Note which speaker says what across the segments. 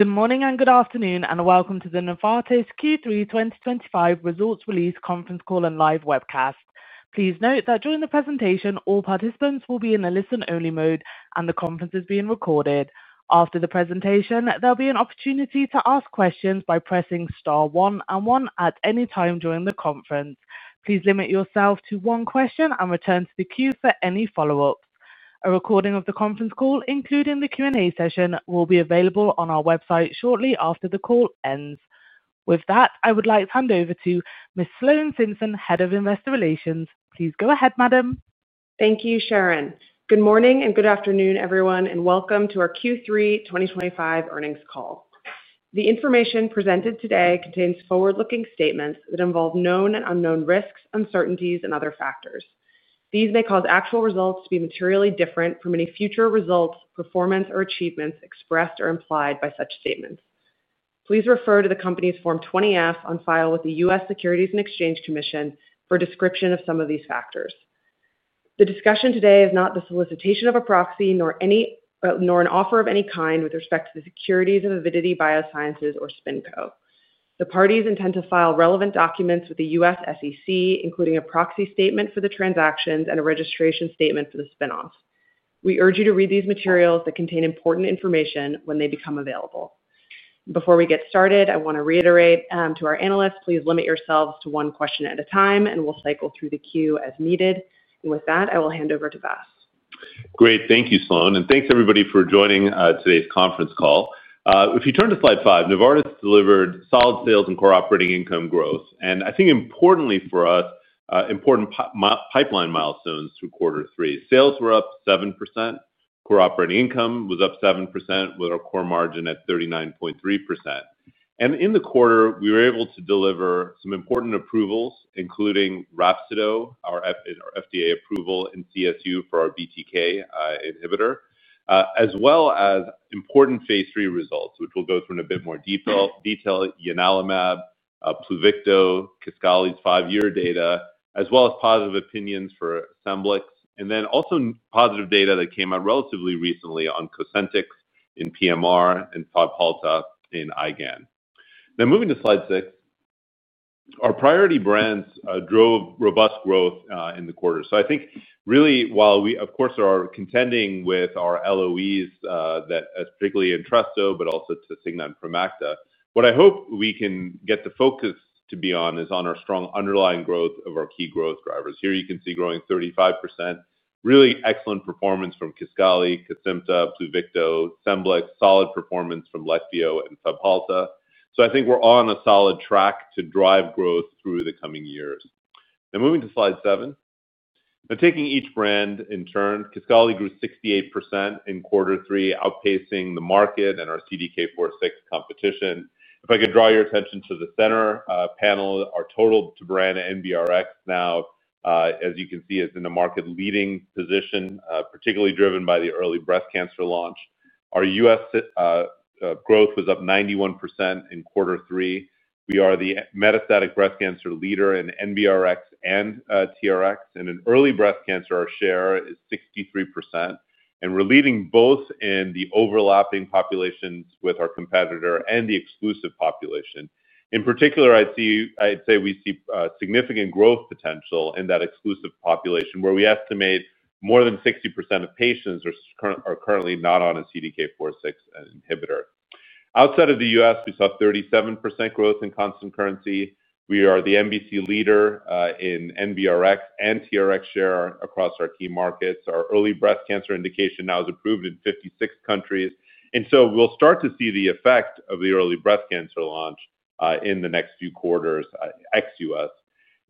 Speaker 1: Good morning and good afternoon, and welcome to the Novartis Q3 2025 Results Release Conference Call and Live Webcast. Please note that during the presentation, all participants will be in a listen-only mode, and the conference is being recorded. After the presentation, there'll be an opportunity to ask questions by pressing star one and one at any time during the conference. Please limit yourself to one question and return to the queue for any follow-ups. A recording of the conference call, including the Q&A session, will be available on our website shortly after the call ends. With that, I would like to hand over to Ms. Sloan Simpson, Head of Investor Relations. Please go ahead, Madam.
Speaker 2: Thank you, Sharon. Good morning and good afternoon, everyone, and welcome to our Q3 2025 earnings call. The information presented today contains forward-looking statements that involve known and unknown risks, uncertainties, and other factors. These may cause actual results to be materially different from any future results, performance, or achievements expressed or implied by such statements. Please refer to the company's Form 20-F on file with the U.S. Securities and Exchange Commission for a description of some of these factors. The discussion today is not the solicitation of a proxy, nor an offer of any kind with respect to the securities of Avidity Biosciences or SpinCo. The parties intend to file relevant documents with the U.S. SEC, including a proxy statement for the transactions and a registration statement for the spin-off. We urge you to read these materials that contain important information when they become available. Before we get started, I want to reiterate to our analysts, please limit yourselves to one question at a time, and we'll cycle through the queue as needed. With that, I will hand over to Vas.
Speaker 3: Great. Thank you, Sloan, and thanks everybody for joining today's conference call. If you turn to slide five, Novartis delivered solid sales and core operating income growth. I think importantly for us, important pipeline milestones through quarter three. Sales were up 7%. Core operating income was up 7% with our core margin at 39.3%. In the quarter, we were able to deliver some important approvals, including remibrutinib, our FDA approval in CSU for our BTK inhibitor, as well as important phase 3 results, which we'll go through in a bit more detail: ianalumab, Pluvicto, Kisqali's five-year data, as well as positive opinions for Scemblix, and then also positive data that came out relatively recently on Cosentyx in polymyalgia rheumatica and Fabhalta in IgAN. Now moving to slide six, our priority brands drove robust growth in the quarter. I think really, while we, of course, are contending with our loss of exclusivity, that is particularly Entresto, but also Tasigna and Promacta, what I hope we can get the focus to be on is on our strong underlying growth of our key growth drivers. Here you can see growing 35%. Really excellent performance from Kisqali, Cosentyx, Pluvicto, Scemblix, solid performance from Leqvio and Fabhalta. I think we're on a solid track to drive growth through the coming years. Now moving to slide seven, now taking each brand in turn, Kisqali grew 68% in quarter three, outpacing the market and our CDK4/6 competition. If I could draw your attention to the center panel, our total to brand NBRx now, as you can see, is in a market-leading position, particularly driven by the early breast cancer launch. Our U.S. growth was up 91% in quarter three. We are the metastatic breast cancer leader in NBRx and TRx, and in early breast cancer, our share is 63%. We're leading both in the overlapping populations with our competitor and the exclusive population. In particular, I'd say we see significant growth potential in that exclusive population, where we estimate more than 60% of patients are currently not on a CDK4/6 inhibitor. Outside of the U.S., we saw 37% growth in constant currency. We are the metastatic breast cancer leader in NBRx and TRx share across our key markets. Our early breast cancer indication now is approved in 56 countries. We'll start to see the effect of the early breast cancer launch in the next few quarters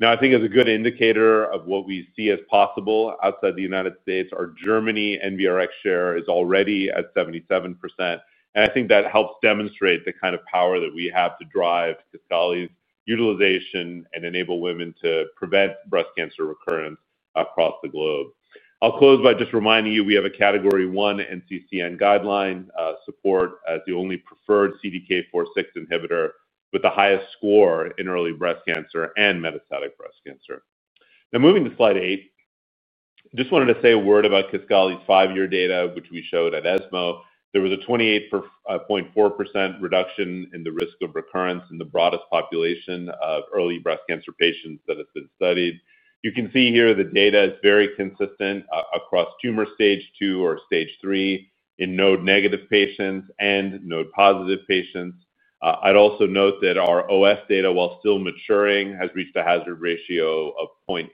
Speaker 3: ex-U.S. I think as a good indicator of what we see as possible outside the United States, our Germany NBRx share is already at 77%. I think that helps demonstrate the kind of power that we have to drive Kisqali's utilization and enable women to prevent breast cancer recurrence across the globe. I'll close by just reminding you we have a category one NCCN guideline support as the only preferred CDK4/6 inhibitor with the highest score in early breast cancer and metastatic breast cancer. Now moving to slide eight, I just wanted to say a word about Kisqali's five-year data, which we showed at ESMO. There was a 28.4% reduction in the risk of recurrence in the broadest population of early breast cancer patients that have been studied. You can see here the data is very consistent across tumor stage two or stage three in node-negative patients and node-positive patients. I'd also note that our OS data, while still maturing, has reached a hazard ratio of 0.8.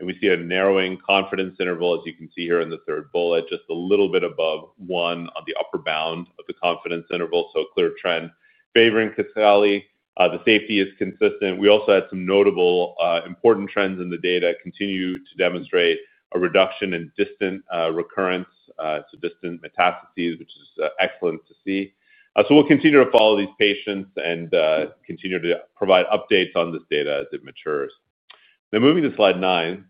Speaker 3: We see a narrowing confidence interval, as you can see here in the third bullet, just a little bit above one on the upper bound of the confidence interval. This is a clear trend favoring Kisqali. The safety is consistent. We also had some notable important trends in the data continue to demonstrate a reduction in distant recurrence. It is a distant metastases, which is excellent to see. We will continue to follow these patients and continue to provide updates on this data as it matures. Now moving to slide nine,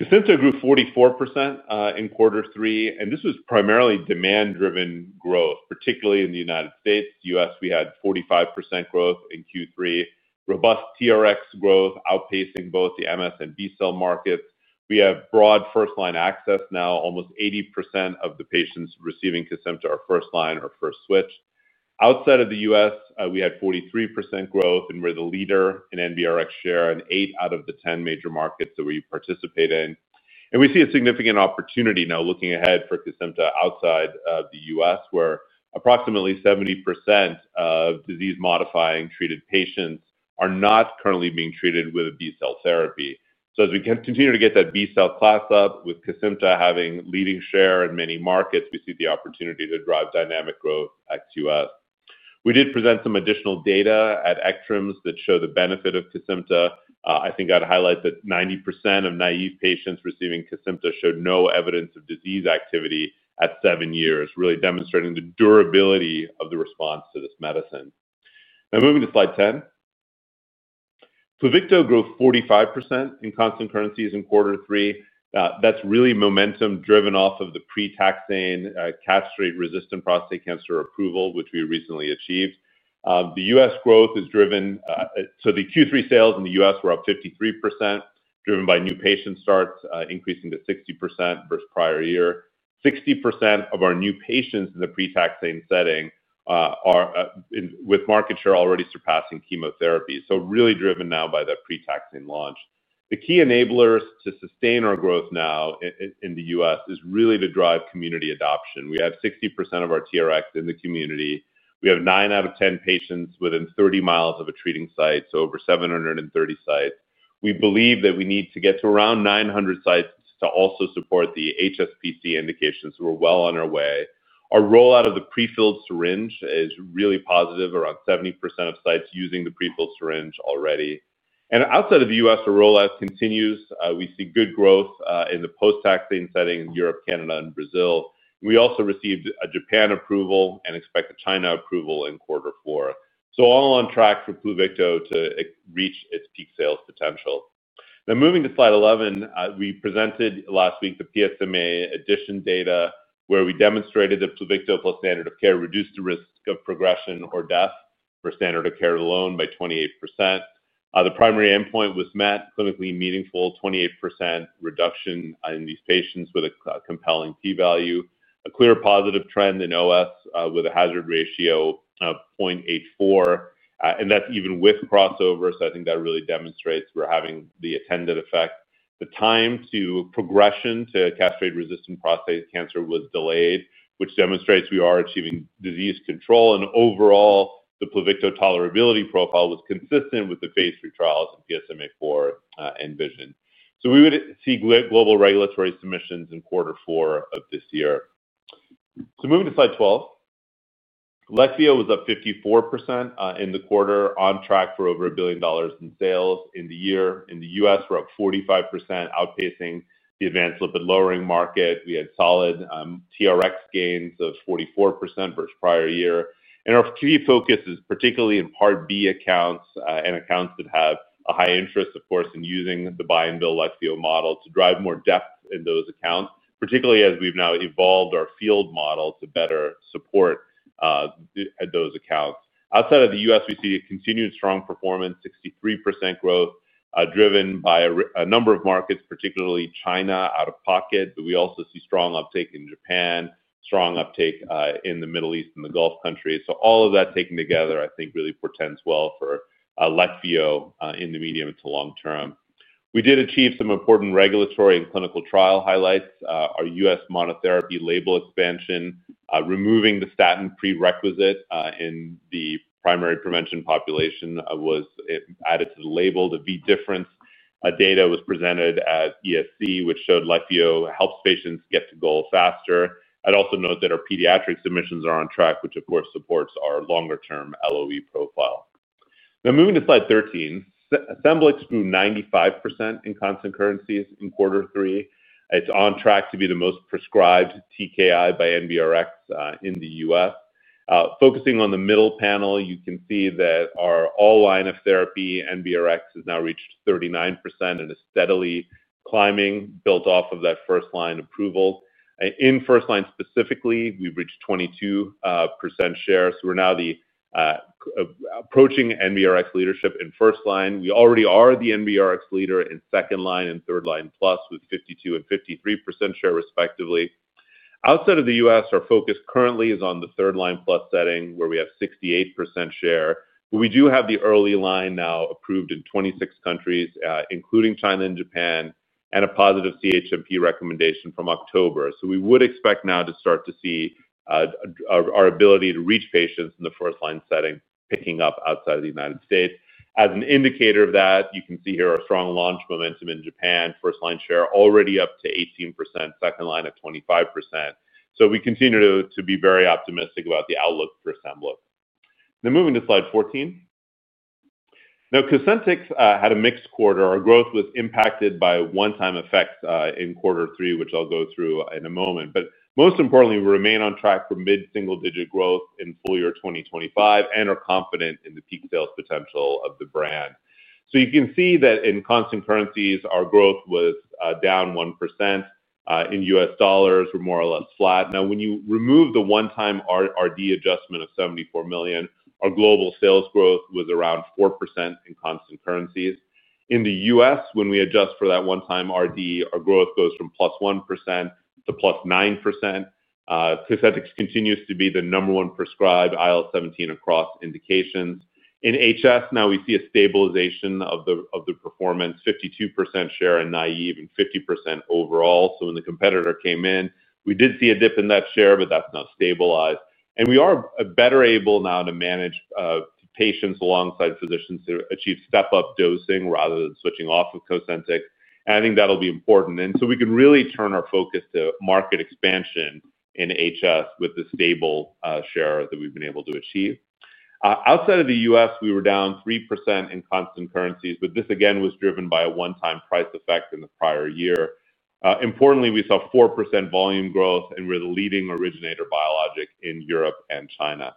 Speaker 3: Kisqali grew 44% in quarter three. This was primarily demand-driven growth, particularly in the United States. In the U.S., we had 45% growth in Q3. Robust TRX growth outpacing both the MS and B-cell markets. We have broad first-line access now. Almost 80% of the patients receiving Kisqali are first-line or first switch. Outside of the U.S., we had 43% growth, and we're the leader in NBRX share in eight out of the 10 major markets that we participate in. We see a significant opportunity now looking ahead for Kisqali outside of the U.S., where approximately 70% of disease-modifying treated patients are not currently being treated with a B-cell therapy. As we continue to get that B-cell class up, with Kisqali having leading share in many markets, we see the opportunity to drive dynamic growth ex-U.S. We did present some additional data at ECTRMS that show the benefit of Kisqali. I'd highlight that 90% of naive patients receiving Kisqali showed no evidence of disease activity at seven years, really demonstrating the durability of the response to this medicine. Now moving to slide 10, Pluvicto grew 45% in constant currency in quarter three. That's really momentum driven off of the pre-taxane castrate-resistant prostate cancer approval, which we recently achieved. The U.S. growth is driven. The Q3 sales in the U.S. were up 53%, driven by new patient starts increasing to 60% versus prior year. 60% of our new patients in the pre-taxane setting are with market share already surpassing chemotherapy. Really driven now by that pre-taxane launch. The key enablers to sustain our growth now in the U.S. is really to drive community adoption. We have 60% of our TRX in the community. We have nine out of ten patients within 30 miles of a treating site, so over 730 sites. We believe that we need to get to around 900 sites to also support the HSPC indications. We're well on our way. Our rollout of the prefilled syringe is really positive, around 70% of sites using the prefilled syringe already. Outside of the U.S., our rollout continues. We see good growth in the post-taxane setting in Europe, Canada, and Brazil. We also received a Japan approval and expect a China approval in quarter four. All on track for Pluvicto to reach its peak sales potential. Now moving to slide 11, we presented last week the PSMA addition data, where we demonstrated that Pluvicto plus standard of care reduced the risk of progression or death for standard of care alone by 28%. The primary endpoint was met, clinically meaningful, 28% reduction in these patients with a compelling p-value. A clear positive trend in OS with a hazard ratio of 0.84. That's even with crossover. I think that really demonstrates we're having the intended effect. The time to progression to castrate-resistant prostate cancer was delayed, which demonstrates we are achieving disease control. Overall, the Pluvicto tolerability profile was consistent with the phase 3 trials and PSMA4 envisioned. We would see global regulatory submissions in quarter four of this year. Moving to slide 12, Leqvio was up 54% in the quarter, on track for over $1 billion in sales in the year. In the U.S., we're up 45%, outpacing the advanced lipid-lowering market. We had solid TRX gains of 44% versus prior year. Our key focus is particularly in Part B accounts and accounts that have a high interest, of course, in using the buy and bill Leqvio model to drive more depth in those accounts, particularly as we've now evolved our field model to better support those accounts. Outside of the U.S., we see continued strong performance, 63% growth, driven by a number of markets, particularly China out of pocket. We also see strong uptake in Japan, strong uptake in the Middle East and the Gulf countries. All of that taken together, I think really portends well for Leqvio in the medium to long term. We did achieve some important regulatory and clinical trial highlights. Our U.S. monotherapy label expansion, removing the statin prerequisite in the primary prevention population, was added to the label. The V difference data was presented at ESC, which showed Leqvio helps patients get to goal faster. I'd also note that our pediatric submissions are on track, which of course supports our longer-term loss of exclusivity profile. Now moving to slide 13, Scemblix grew 95% in constant currency in quarter three. It's on track to be the most prescribed TKI by NBRx in the U.S. Focusing on the middle panel, you can see that our all-line of therapy NBRx has now reached 39% and is steadily climbing, built off of that first-line approval. In first-line specifically, we've reached 22% share. We're now approaching NBRx leadership in first-line. We already are the NBRx leader in second-line and third-line plus, with 52% and 53% share respectively. Outside of the U.S., our focus currently is on the third-line plus setting, where we have 68% share. We do have the early line now approved in 26 countries, including China and Japan, and a positive CHMP recommendation from October. We would expect now to start to see our ability to reach patients in the first-line setting picking up outside of the United States. As an indicator of that, you can see here our strong launch momentum in Japan, first-line share already up to 18%, second-line at 25%. We continue to be very optimistic about the outlook for Scemblix. Now moving to slide 14, Cosentyx had a mixed quarter. Our growth was impacted by one-time effects in quarter three, which I'll go through in a moment. Most importantly, we remain on track for mid-single-digit growth in full year 2025 and are confident in the peak sales potential of the brand. You can see that in constant currencies, our growth was down 1%. In U.S. dollars, we're more or less flat. When you remove the one-time R&D adjustment of $74 million, our global sales growth was around 4% in constant currencies. In the U.S., when we adjust for that one-time R&D, our growth goes from plus 1% to plus 9%. Cosentyx continues to be the number one prescribed IL-17 across indications. In HS, now we see a stabilization of the performance, 52% share in naive and 50% overall. When the competitor came in, we did see a dip in that share, but that's now stabilized. We are better able now to manage patients alongside physicians to achieve step-up dosing rather than switching off of Cosentyx. I think that'll be important. We can really turn our focus to market expansion in HS with the stable share that we've been able to achieve. Outside of the U.S., we were down 3% in constant currencies, but this again was driven by a one-time price effect in the prior year. Importantly, we saw 4% volume growth, and we're the leading originator biologic in Europe and China.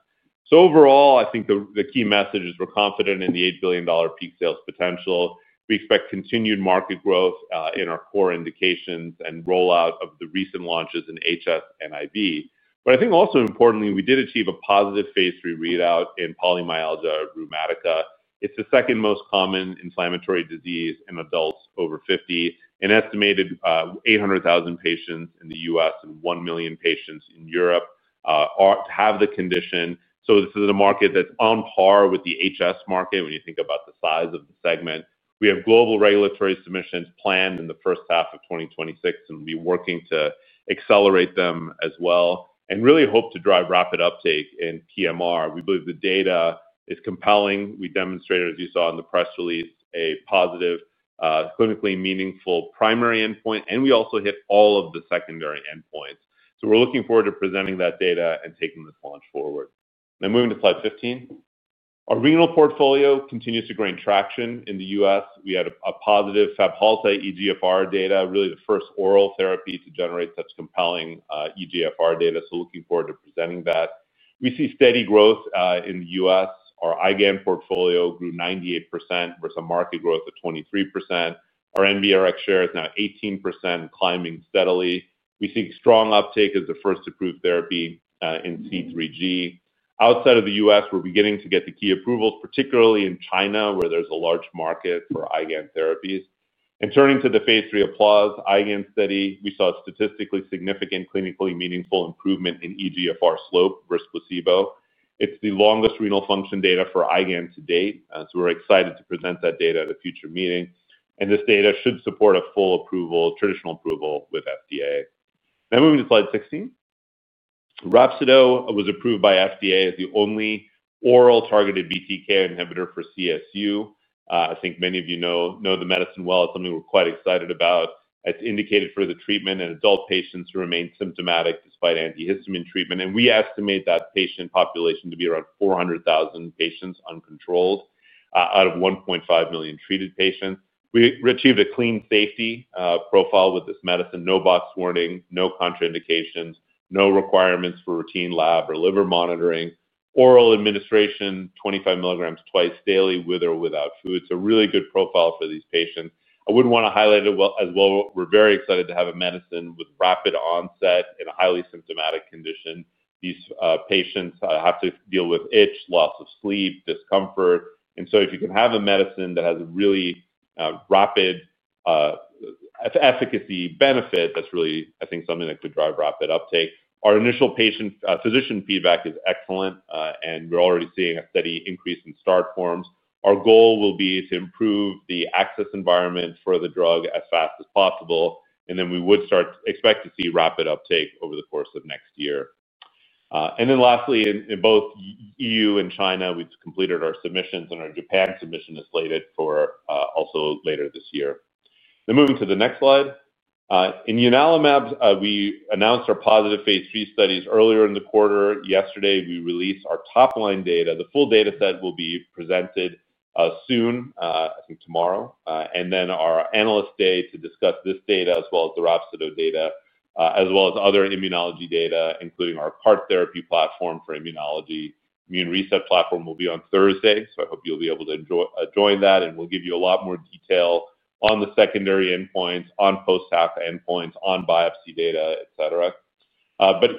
Speaker 3: Overall, I think the key message is we're confident in the $8 billion peak sales potential. We expect continued market growth in our core indications and rollout of the recent launches in HS and IV. I think also importantly, we did achieve a positive phase 3 readout in polymyalgia rheumatica. It's the second most common inflammatory disease in adults over 50. An estimated 800,000 patients in the U.S. and 1 million patients in Europe have the condition. This is a market that's on par with the HS market when you think about the size of the segment. We have global regulatory submissions planned in the first half of 2026, and we'll be working to accelerate them as well. We really hope to drive rapid uptake in PMR. We believe the data is compelling. We demonstrated, as you saw in the press release, a positive, clinically meaningful primary endpoint. We also hit all of the secondary endpoints. We're looking forward to presenting that data and taking this launch forward. Now moving to slide 15, our renal portfolio continues to gain traction in the U.S. We had a positive Foplita eGFR data, really the first oral therapy to generate such compelling eGFR data. Looking forward to presenting that. We see steady growth in the U.S. Our IGAN portfolio grew 98% versus a market growth of 23%. Our NBRX share is now 18% and climbing steadily. We see strong uptake as the first approved therapy in C3G. Outside of the U.S., we're beginning to get the key approvals, particularly in China, where there's a large market for IGAN therapies. Turning to the phase 3 applause, IGAN study, we saw a statistically significant clinically meaningful improvement in eGFR slope versus placebo. It's the longest renal function data for IGAN to date. We're excited to present that data at a future meeting. This data should support a full approval, traditional approval with FDA. Now moving to slide 16, remibrutinib was approved by FDA as the only oral targeted BTK inhibitor for CSU. I think many of you know the medicine well. It's something we're quite excited about. It's indicated for the treatment in adult patients who remain symptomatic despite antihistamine treatment. We estimate that patient population to be around 400,000 patients uncontrolled out of 1.5 million treated patients. We achieved a clean safety profile with this medicine. No box warning, no contraindications, no requirements for routine lab or liver monitoring. Oral administration, 25 milligrams twice daily with or without food. It's a really good profile for these patients. I would want to highlight as well, we're very excited to have a medicine with rapid onset in a highly symptomatic condition. These patients have to deal with itch, loss of sleep, discomfort. If you can have a medicine that has a really rapid efficacy benefit, that's really, I think, something that could drive rapid uptake. Our initial patient physician feedback is excellent. We're already seeing a steady increase in start forms. Our goal will be to improve the access environment for the drug as fast as possible. We would start to expect to see rapid uptake over the course of next year. Lastly, in both EU and China, we've completed our submissions, and our Japan submission is slated for also later this year. Now moving to the next slide, in ianalumab, we announced our positive phase 3 studies earlier in the quarter. Yesterday, we released our top-line data. The full data set will be presented soon, I think tomorrow, and our analyst day to discuss this data as well as the remibrutinib data, as well as other immunology data, including our CART therapy platform for immunology. Immune reset platform will be on Thursday. I hope you'll be able to join that. We'll give you a lot more detail on the secondary endpoints, on post-HACA endpoints, on biopsy data, et cetera.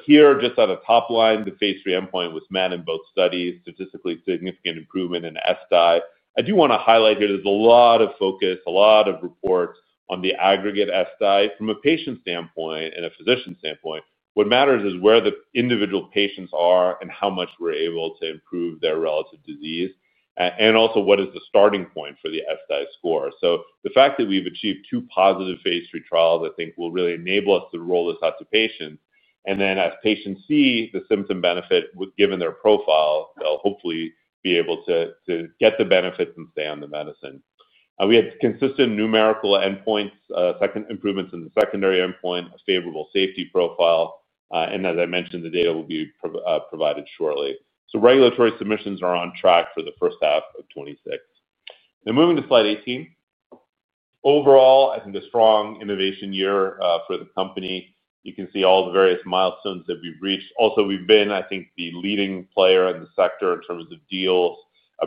Speaker 3: Here, just out of top line, the phase 3 endpoint was met in both studies, statistically significant improvement in SDI. I do want to highlight here there's a lot of focus, a lot of reports on the aggregate SDI from a patient standpoint and a physician standpoint. What matters is where the individual patients are and how much we're able to improve their relative disease. Also, what is the starting point for the SDI score. The fact that we've achieved two positive phase 3 trials, I think, will really enable us to roll this out to patients. As patients see the symptom benefit given their profile, they'll hopefully be able to get the benefits and stay on the medicine. We had consistent numerical endpoints, improvements in the secondary endpoint, a favorable safety profile. As I mentioned, the data will be provided shortly. Regulatory submissions are on track for the first half of 2026. Now moving to slide 18, overall, I think a strong innovation year for the company. You can see all the various milestones that we've reached. Also, we've been, I think, the leading player in the sector in terms of deals,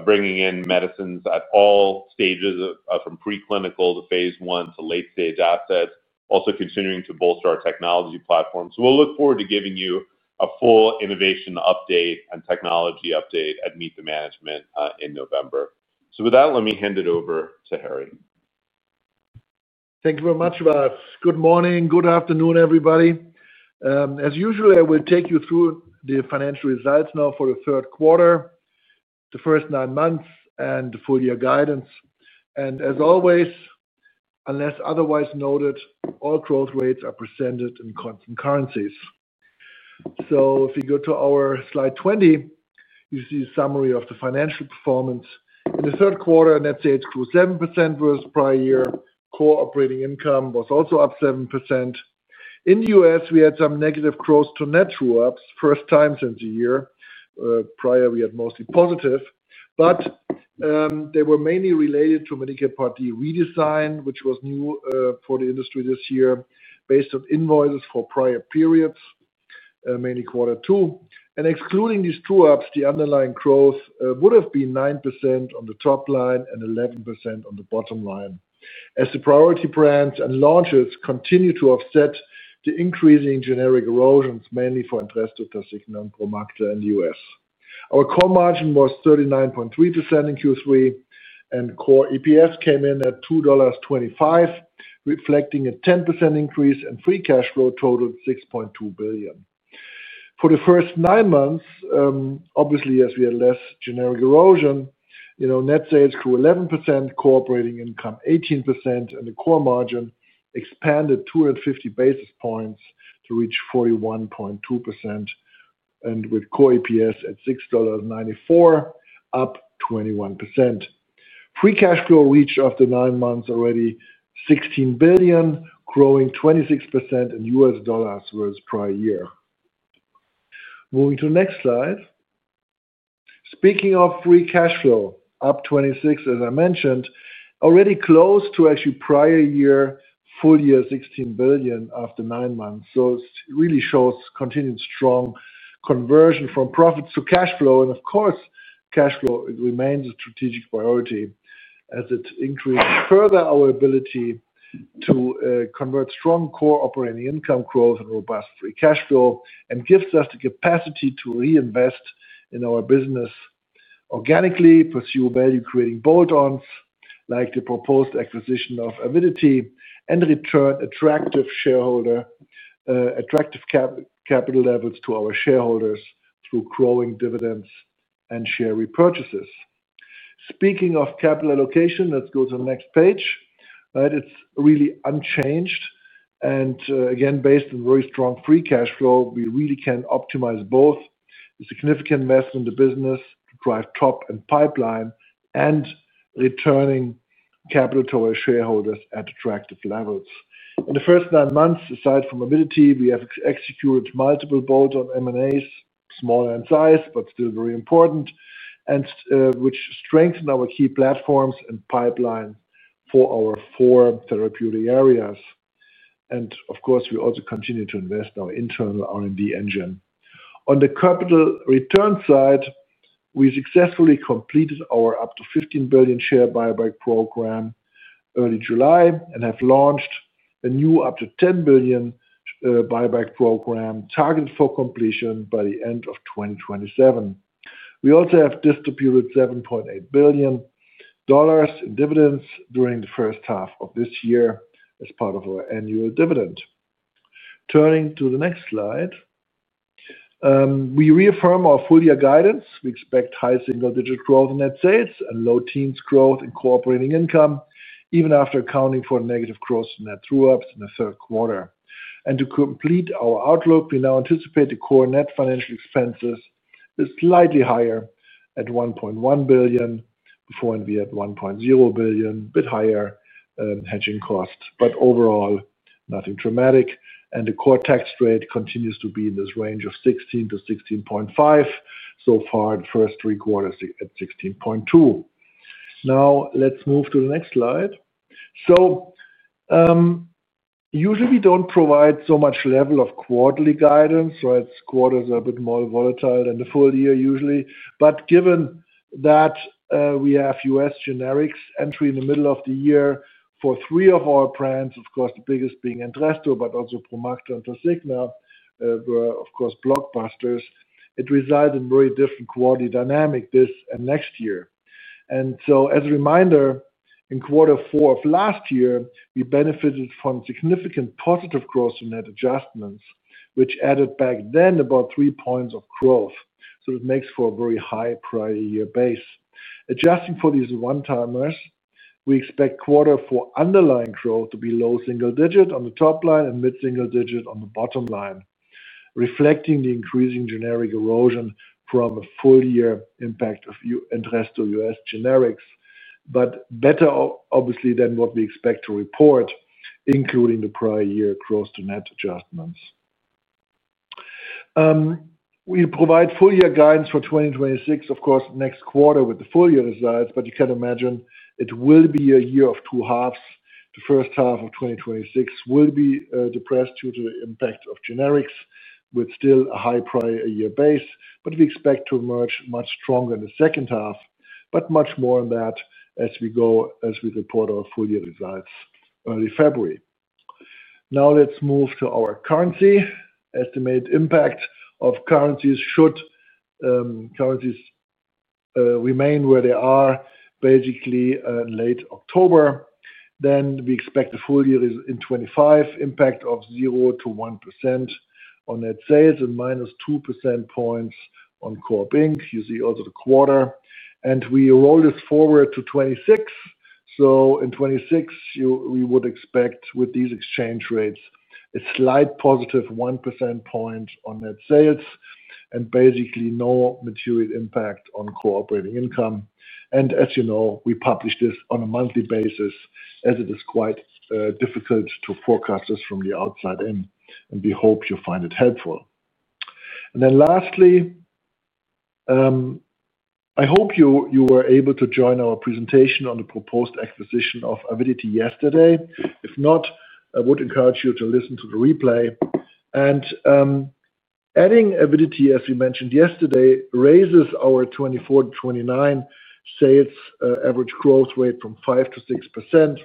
Speaker 3: bringing in medicines at all stages from preclinical to phase 1 to late-stage assets, also continuing to bolster our technology platform. We look forward to giving you a full innovation update and technology update at Meet the Management in November. With that, let me hand it over to Harry.
Speaker 4: Thank you very much, Vas. Good morning, good afternoon, everybody. As usual, I will take you through the financial results now for the third quarter, the first nine months, and the full year guidance. As always, unless otherwise noted, all growth rates are presented in constant currencies. If you go to our slide 20, you see a summary of the financial performance. In the third quarter, net sales grew 7% versus prior year. Core operating income was also up 7%. In the U.S., we had some negative growth to net true ups, first time since a year. Prior, we had mostly positive. They were mainly related to Medicare Part D redesign, which was new for the industry this year, based on invoices for prior periods, mainly quarter two. Excluding these true ups, the underlying growth would have been 9% on the top line and 11% on the bottom line, as the priority brands and launches continue to offset the increasing generic erosions, mainly for Entresto, Tasigna, and Promacta in the U.S. Our core margin was 39.3% in Q3, and core EPS came in at $2.25, reflecting a 10% increase, and free cash flow totaled $6.2 billion. For the first nine months, obviously, as we had less generic erosion, net sales grew 11%, core operating income 18%, and the core margin expanded 250 basis points to reach 41.2%. With core EPS at $6.94, up 21%. Free cash flow reached after nine months already $16 billion, growing 26% in U.S. dollars versus prior year. Moving to the next slide. Speaking of free cash flow, up 26%, as I mentioned, already close to actually prior year full year $16 billion after nine months. It really shows continued strong conversion from profits to cash flow. Of course, cash flow remains a strategic priority as it increases further our ability to convert strong core operating income growth and robust free cash flow and gives us the capacity to reinvest in our business organically, pursue value-creating bolt-ons like the proposed acquisition of Avidity Biosciences, and return attractive capital levels to our shareholders through growing dividends and share repurchases. Speaking of capital allocation, let's go to the next page. Right, it's really unchanged. Again, based on very strong free cash flow, we really can optimize both a significant investment in the business to drive top and pipeline and returning capital to our shareholders at attractive levels. In the first nine months, aside from Avidity Biosciences, we have executed multiple bolt-on M&As, smaller in size but still very important, which strengthen our key platforms and pipelines for our four therapeutic areas. We also continue to invest in our internal R&D engine. On the capital return side, we successfully completed our up to $15 billion share buyback program in early July and have launched a new up to $10 billion buyback program targeted for completion by the end of 2027. We also have distributed $7.8 billion in dividends during the first half of this year as part of our annual dividend. Turning to the next slide, we reaffirm our full year guidance. We expect high single-digit growth in net sales and low teens growth in core operating income, even after accounting for negative growth in net through-ups in the third quarter. To complete our outlook, we now anticipate the core net financial expenses are slightly higher at $1.1 billion, before and be at $1.0 billion, a bit higher in hedging costs. Overall, nothing dramatic. The core tax rate continues to be in this range of 16%-16.5%. So far, the first three quarters at 16.2%. Now let's move to the next slide. Usually, we don't provide so much level of quarterly guidance. Quarters are a bit more volatile than the full year usually. Given that we have U.S. generics entry in the middle of the year for three of our brands, the biggest being Entresto, but also Promacta and Tasigna, which were blockbusters, it results in a very different quality dynamic this and next year. As a reminder, in quarter four of last year, we benefited from significant positive growth in net adjustments, which added back then about three points of growth. It makes for a very high prior year base. Adjusting for these one-timers, we expect quarter four underlying growth to be low single digit on the top line and mid-single digit on the bottom line, reflecting the increasing generic erosion from a full year impact of Entresto U.S. generics, but better obviously than what we expect to report, including the prior year growth to net adjustments. We provide full year guidance for 2026 next quarter with the full year results. You can imagine it will be a year of two halves. The first half of 2026 will be depressed due to the impact of generics, with still a high prior year base. We expect to emerge much stronger in the second half, much more than that as we report our full year results early February. Now let's move to our currency. Estimated impact of currencies, should currencies remain where they are basically in late October, we expect the full year in 2025 impact of 0%-1% on net sales and minus 2% points on core margin. You see also the quarter, and we roll this forward to 2026. In 2026, we would expect with these exchange rates a slight positive 1% point on net sales and basically no material impact on core operating income. As you know, we publish this on a monthly basis as it is quite difficult to forecast this from the outside in. We hope you find it helpful. Lastly, I hope you were able to join our presentation on the proposed acquisition of Avidity yesterday. If not, I would encourage you to listen to the replay. Adding Avidity, as we mentioned yesterday, raises our 2024 to 2029 sales average growth rate from 5%-6%.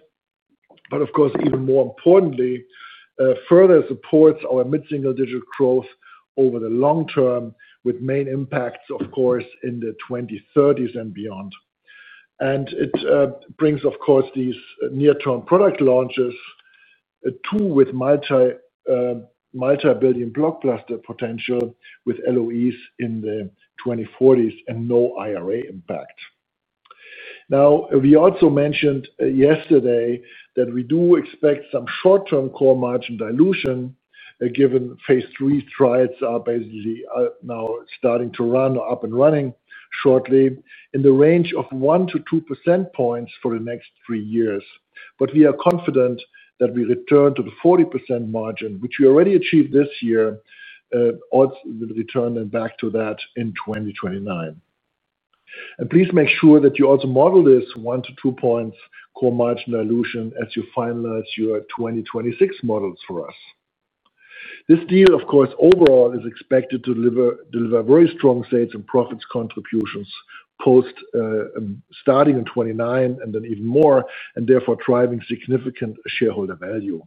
Speaker 4: Of course, even more importantly, it further supports our mid-single digit growth over the long term, with main impacts in the 2030s and beyond. It brings these near-term product launches, two with multi-billion blockbuster potential with loss of exclusivity in the 2040s and no IRA impact. We also mentioned yesterday that we do expect some short-term core margin dilution given phase 3 studies are basically now starting to run or up and running shortly in the range of 1%-2% points for the next three years. We are confident that we return to the 40% margin, which we already achieved this year. We will return back to that in 2029. Please make sure that you also model this 1%-2% points core margin dilution as you finalize your 2026 models for us. This deal overall is expected to deliver very strong sales and profits contributions starting in 2029 and then even more, therefore driving significant shareholder value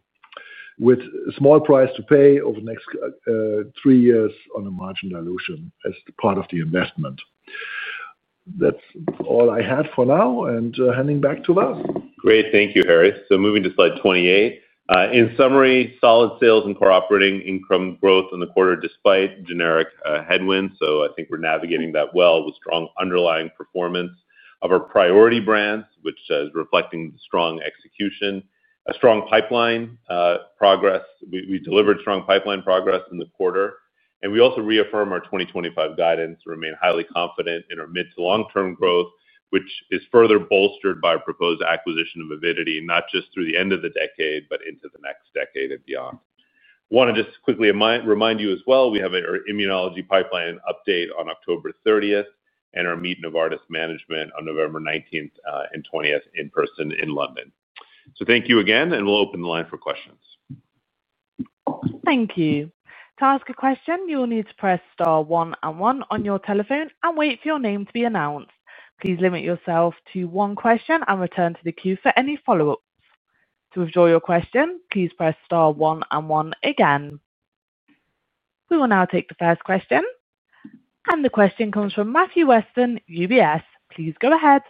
Speaker 4: with a small price to pay over the next three years on the margin dilution as part of the investment. That's all I had for now. Handing back to Vas.
Speaker 3: Great. Thank you, Harry. Moving to slide 28. In summary, solid sales and core operating income growth in the quarter despite generic headwinds. I think we're navigating that well with strong underlying performance of our priority brands, which is reflecting strong execution, a strong pipeline progress. We delivered strong pipeline progress in the quarter. We also reaffirm our 2025 guidance to remain highly confident in our mid to long-term growth, which is further bolstered by our proposed acquisition of Avidity, not just through the end of the decade, but into the next decade and beyond. I want to just quickly remind you as well, we have our immunology pipeline update on October 30 and our Meet Novartis Management on November 19 and 20 in person in London. Thank you again, and we'll open the line for questions.
Speaker 1: Thank you. To ask a question, you will need to press star one and one on your telephone and wait for your name to be announced. Please limit yourself to one question and return to the queue for any follow-ups. To withdraw your question, please press star one and one again. We will now take the first question. The question comes from Matthew Weston, UBS. Please go ahead.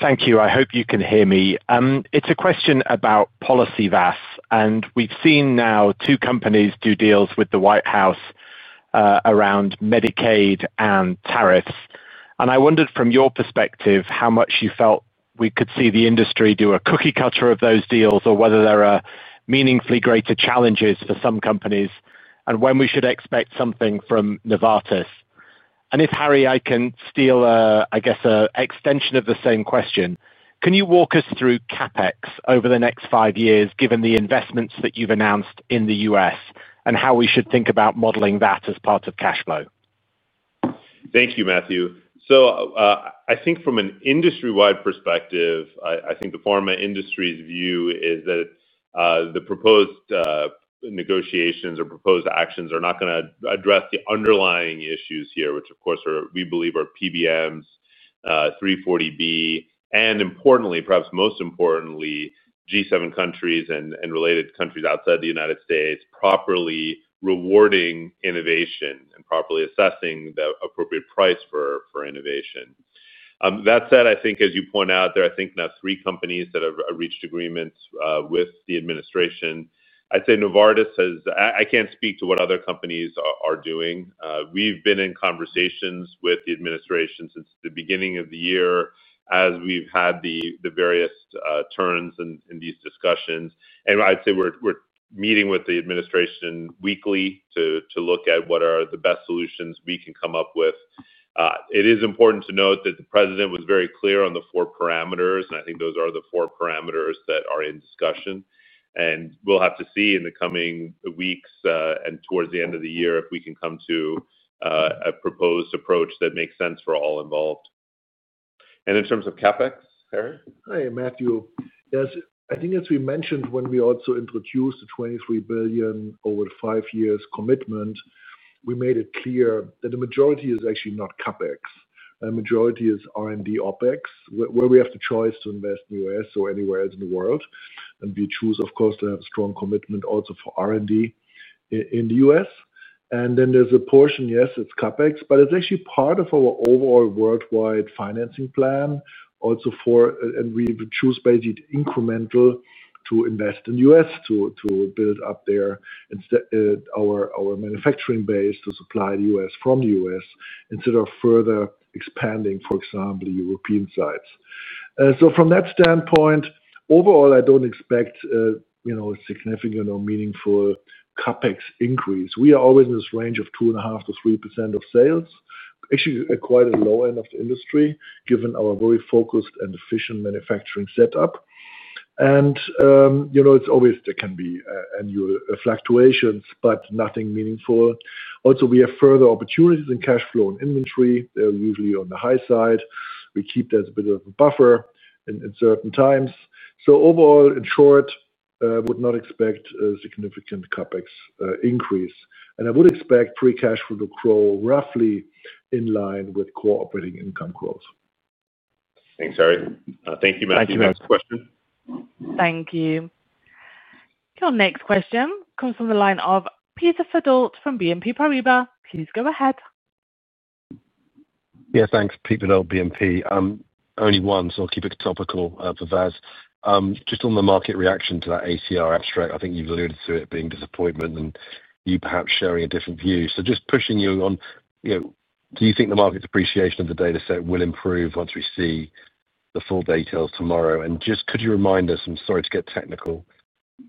Speaker 5: Thank you. I hope you can hear me. It's a question about policy, Vas. We've seen now two companies do deals with the White House around Medicaid and tariffs. I wondered from your perspective how much you felt we could see the industry do a cookie-cutter of those deals or whether there are meaningfully greater challenges for some companies and when we should expect something from Novartis. If, Harry, I can steal, I guess, an extension of the same question. Can you walk us through CapEx over the next five years, given the investments that you've announced in the U.S., and how we should think about modeling that as part of cash flow?
Speaker 3: Thank you, Matthew. I think from an industry-wide perspective, the pharma industry's view is that the proposed negotiations or proposed actions are not going to address the underlying issues here, which, of course, we believe are PBMs, 340B, and importantly, perhaps most importantly, G7 countries and related countries outside the U.S. properly rewarding innovation and properly assessing the appropriate price for innovation. That said, as you point out there, I think now three companies have reached agreement with the administration. I'd say Novartis has, I can't speak to what other companies are doing. We've been in conversations with the administration since the beginning of the year as we've had the various turns in these discussions. I'd say we're meeting with the administration weekly to look at what are the best solutions we can come up with. It is important to note that the president was very clear on the four parameters. I think those are the four parameters that are in discussion. We'll have to see in the coming weeks and towards the end of the year if we can come to a proposed approach that makes sense for all involved. In terms of CapEx, Harry?
Speaker 4: Hi, Matthew, yes. I think, as we mentioned, when we also introduced the $23 billion over five years commitment, we made it clear that the majority is actually not CapEx. The majority is R&D OpEx, where we have the choice to invest in the U.S. or anywhere else in the world. We choose, of course, to have a strong commitment also for R&D in the U.S. There is a portion, yes, it's CapEx, but it's actually part of our overall worldwide financing plan. Also, we choose basically incremental to invest in the U.S. to build up our manufacturing base to supply the U.S. from the U.S. instead of further expanding, for example, European sites. From that standpoint, overall, I don't expect a significant or meaningful CapEx increase. We are always in this range of 2.5%-3% of sales, actually quite a low end of the industry given our very focused and efficient manufacturing setup. You know it's always there can be annual fluctuations, but nothing meaningful. We have further opportunities in cash flow and inventory. They're usually on the high side. We keep that as a bit of a buffer in certain times. Overall, in short, we would not expect a significant CapEx increase. I would expect free cash flow to grow roughly in line with core operating income growth.
Speaker 3: Thanks, Harry. Thank you, Matthew. Next question.
Speaker 1: Thank you. Your next question comes from the line of Peter Faddalt from BNP Paribas. Please go ahead.
Speaker 6: Yeah, thanks, Peter Faddalt, BNP. Only one, so I'll keep it topical for Vas. Just on the market reaction to that ATR abstract, I think you've alluded to it being disappointment and you perhaps sharing a different view. Just pushing you on, you know, do you think the market's appreciation of the data set will improve once we see the full details tomorrow? Could you remind us, I'm sorry to get technical,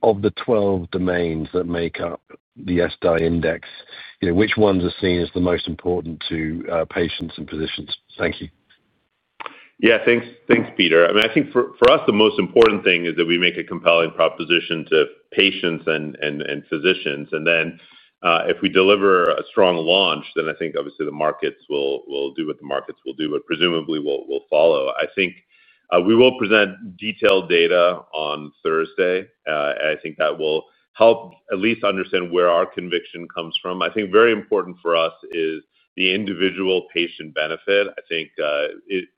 Speaker 6: of the 12 domains that make up the SDI index, you know, which ones are seen as the most important to patients and physicians? Thank you.
Speaker 3: Yeah, thanks, thanks, Peter. I think for us, the most important thing is that we make a compelling proposition to patients and physicians. If we deliver a strong launch, then I think obviously the markets will do what the markets will do, but presumably will follow. I think we will present detailed data on Thursday. I think that will help at least understand where our conviction comes from. Very important for us is the individual patient benefit.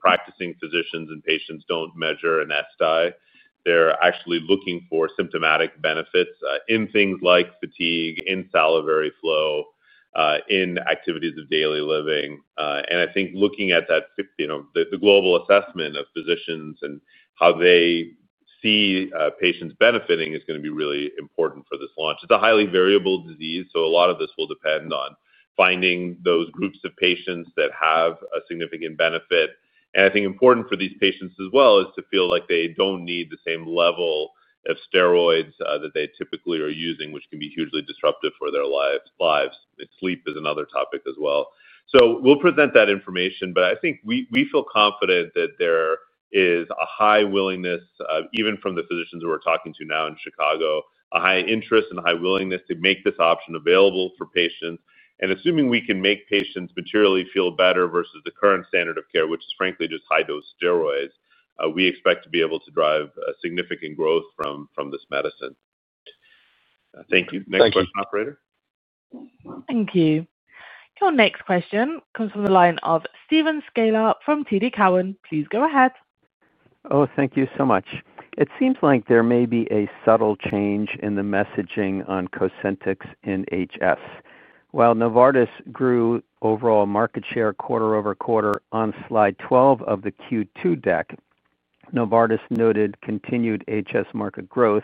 Speaker 3: Practicing physicians and patients do not measure an SDI. They are actually looking for symptomatic benefits in things like fatigue, in salivary flow, in activities of daily living. Looking at that, the global assessment of physicians and how they see patients benefiting is going to be really important for this launch. It is a highly variable disease, so a lot of this will depend on finding those groups of patients that have a significant benefit. Important for these patients as well is to feel like they do not need the same level of steroids that they typically are using, which can be hugely disruptive for their lives. Sleep is another topic as well. We will present that information, but I think we feel confident that there is a high willingness, even from the physicians who we are talking to now in Chicago, a high interest and a high willingness to make this option available for patients. Assuming we can make patients materially feel better versus the current standard of care, which is frankly just high-dose steroids, we expect to be able to drive significant growth from this medicine. Thank you. Next question, operator.
Speaker 1: Thank you. Your next question comes from the line of Steven Scala from TD Cowen. Please go ahead.
Speaker 7: Thank you so much. It seems like there may be a subtle change in the messaging on Cosentyx in HS. While Novartis grew overall market share quarter over quarter on slide 12 of the Q2 deck, Novartis noted continued HS market growth.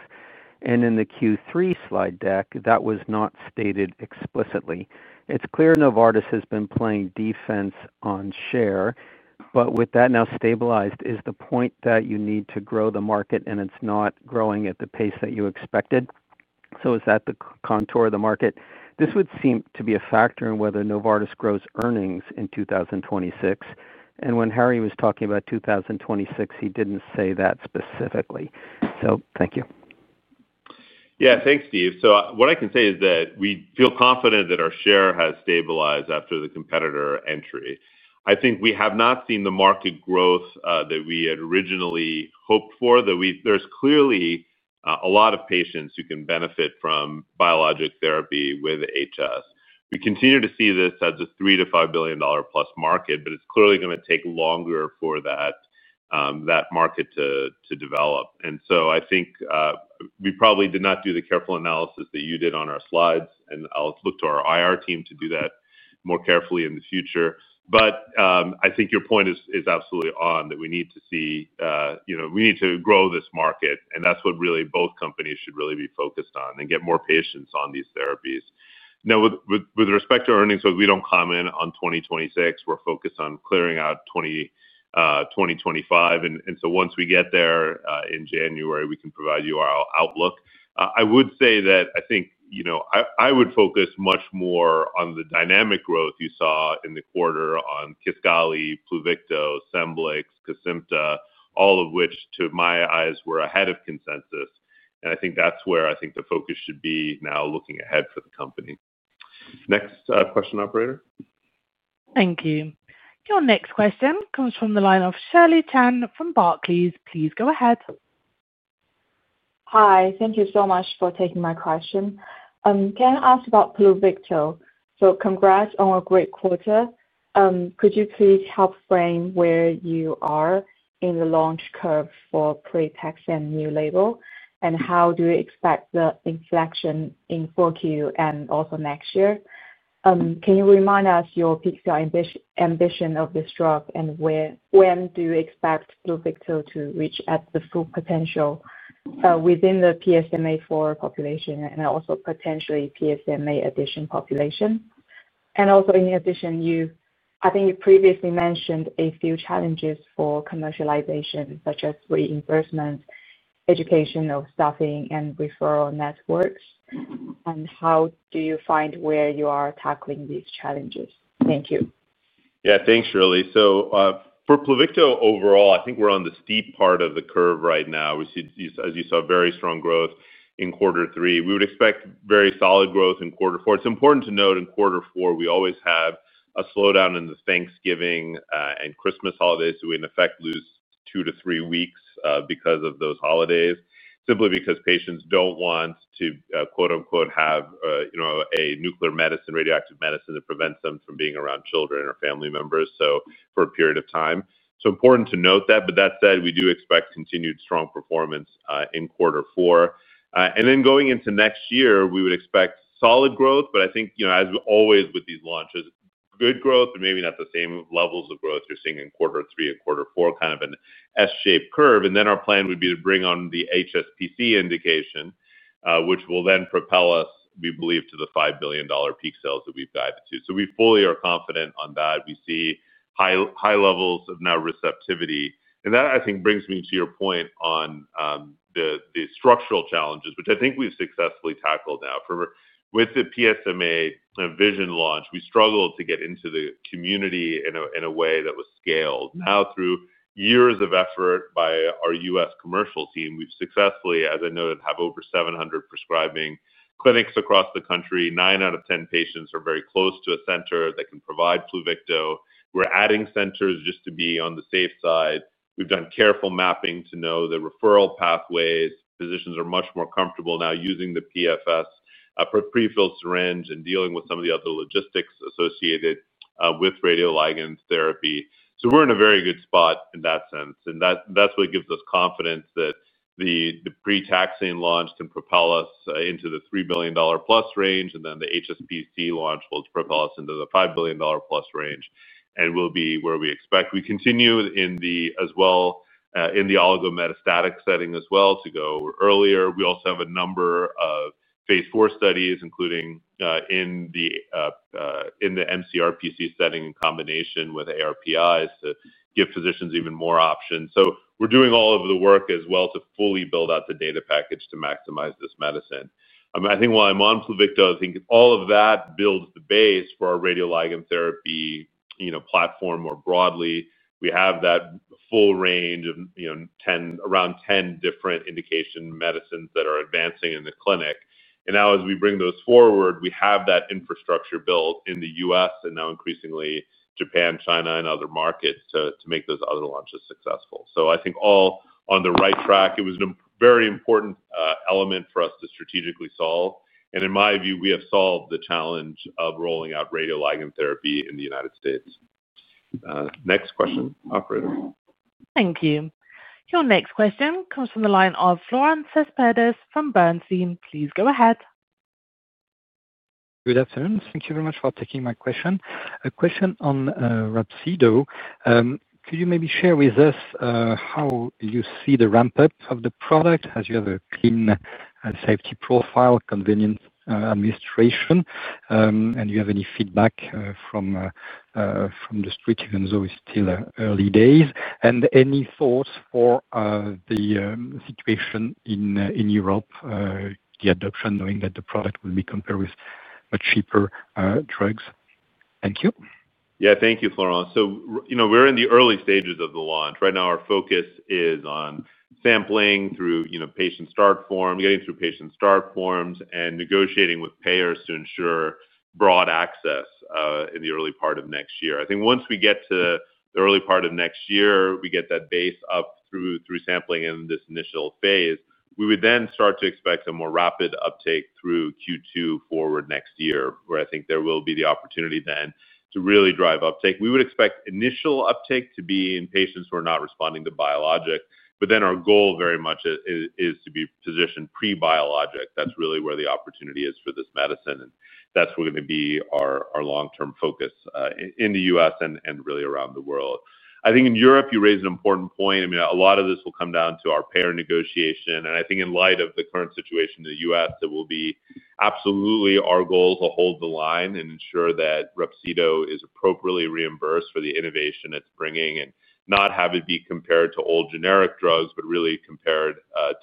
Speaker 7: In the Q3 slide deck, that was not stated explicitly. It's clear Novartis has been playing defense on share, but with that now stabilized, is the point that you need to grow the market and it's not growing at the pace that you expected? Is that the contour of the market? This would seem to be a factor in whether Novartis grows earnings in 2026. When Harry was talking about 2026, he didn't say that specifically. Thank you.
Speaker 3: Yeah, thanks, Steve. What I can say is that we feel confident that our share has stabilized after the competitor entry. I think we have not seen the market growth that we had originally hoped for. There's clearly a lot of patients who can benefit from biologic therapy with HS. We continue to see this as a $3-$5 billion plus market, but it's clearly going to take longer for that market to develop. I think we probably did not do the careful analysis that you did on our slides. I'll look to our IR team to do that more carefully in the future. I think your point is absolutely on that we need to see, you know, we need to grow this market. That's what really both companies should really be focused on and get more patients on these therapies. Now, with respect to earnings, we don't comment on 2026. We're focused on clearing out 2025. Once we get there in January, we can provide you our outlook. I would say that I think, you know, I would focus much more on the dynamic growth you saw in the quarter on Kisqali, Pluvicto, Scemblix, Cosentyx, all of which, to my eyes, were ahead of consensus. I think that's where I think the focus should be now looking ahead for the company. Next question, operator.
Speaker 1: Thank you. Your next question comes from the line of Shirley Tan from Barclays. Please go ahead.
Speaker 8: Hi, thank you so much for taking my question. Can I ask about Pluvicto? Congrats on a great quarter. Could you please help frame where you are in the launch curve for Pluvicto and new label? How do you expect the inflection in 4Q and also next year? Can you remind us your peak sales ambition of this drug and when you expect Pluvicto to reach the full potential within the PSMA-4 population and also potentially PSMA addition population? I think you previously mentioned a few challenges for commercialization, such as reimbursement, education of staffing, and referral networks. How do you find where you are tackling these challenges? Thank you.
Speaker 3: Yeah, thanks, Shirley. For Pluvicto overall, I think we're on the steep part of the curve right now. We see, as you saw, very strong growth in quarter three. We would expect very solid growth in quarter four. It's important to note in quarter four, we always have a slowdown in the Thanksgiving and Christmas holidays. We, in effect, lose two to three weeks because of those holidays, simply because patients don't want to, quote-unquote, "have a nuclear medicine, radioactive medicine that prevents them from being around children or family members for a period of time." It's important to note that. That said, we do expect continued strong performance in quarter four. Going into next year, we would expect solid growth. I think, you know, as always with these launches, good growth and maybe not the same levels of growth you're seeing in quarter three and quarter four, kind of an S-shaped curve. Our plan would be to bring on the HSPC indication, which will then propel us, we believe, to the $5 billion peak sales that we've guided to. We fully are confident on that. We see high levels of now receptivity. That, I think, brings me to your point on the structural challenges, which I think we've successfully tackled now. With the PSMA Vision launch, we struggled to get into the community in a way that was scaled. Now, through years of effort by our US commercial team, we've successfully, as I noted, have over 700 prescribing clinics across the country. Nine out of ten patients are very close to a center that can provide Pluvicto. We're adding centers just to be on the safe side. We've done careful mapping to know the referral pathways. Physicians are much more comfortable now using the PFS, a prefilled syringe, and dealing with some of the other logistics associated with radioligand therapy. We're in a very good spot in that sense. That's what gives us confidence that the pre-taxane launch can propel us into the $3 billion plus range. The HSPC launch will propel us into the $5 billion plus range. We'll be where we expect. We continue in the, as well, in the oligometastatic setting as well to go earlier. We also have a number of phase 4 studies, including in the MCRPC setting in combination with ARPIs to give physicians even more options. We're doing all of the work as well to fully build out the data package to maximize this medicine. I think while I'm on Pluvicto, I think all of that builds the base for our radioligand therapy platform more broadly. We have that full range of around 10 different indication medicines that are advancing in the clinic. As we bring those forward, we have that infrastructure built in the U.S. and now increasingly Japan, China, and other markets to make those other launches successful. I think all on the right track. It was a very important element for us to strategically solve. In my view, we have solved the challenge of rolling out radioligand therapy in the United States. Next question, operator.
Speaker 1: Thank you. Your next question comes from the line of Florent Cespedes from Bernstein. Please go ahead.
Speaker 9: Good afternoon. Thank you very much for taking my question. A question on remibrutinib. Could you maybe share with us how you see the ramp-up of the product as you have a clean safety profile, convenient administration, and you have any feedback from the street, even though it's still early days? Any thoughts for the situation in Europe, the adoption, knowing that the product will be compared with much cheaper drugs? Thank you.
Speaker 3: Thank you, Florence. We're in the early stages of the launch. Right now, our focus is on sampling through patient start forms, getting through patient start forms, and negotiating with payers to ensure broad access in the early part of next year. Once we get to the early part of next year, we get that base up through sampling in this initial phase. We would then start to expect a more rapid uptake through Q2 forward next year, where I think there will be the opportunity to really drive uptake. We would expect initial uptake to be in patients who are not responding to biologic. Our goal very much is to be positioned pre-biologic. That's really where the opportunity is for this medicine. That's going to be our long-term focus in the U.S. and really around the world. In Europe, you raise an important point. A lot of this will come down to our payer negotiation. In light of the current situation in the U.S., it will be absolutely our goal to hold the line and ensure that remibrutinib is appropriately reimbursed for the innovation it's bringing and not have it be compared to old generic drugs, but really compared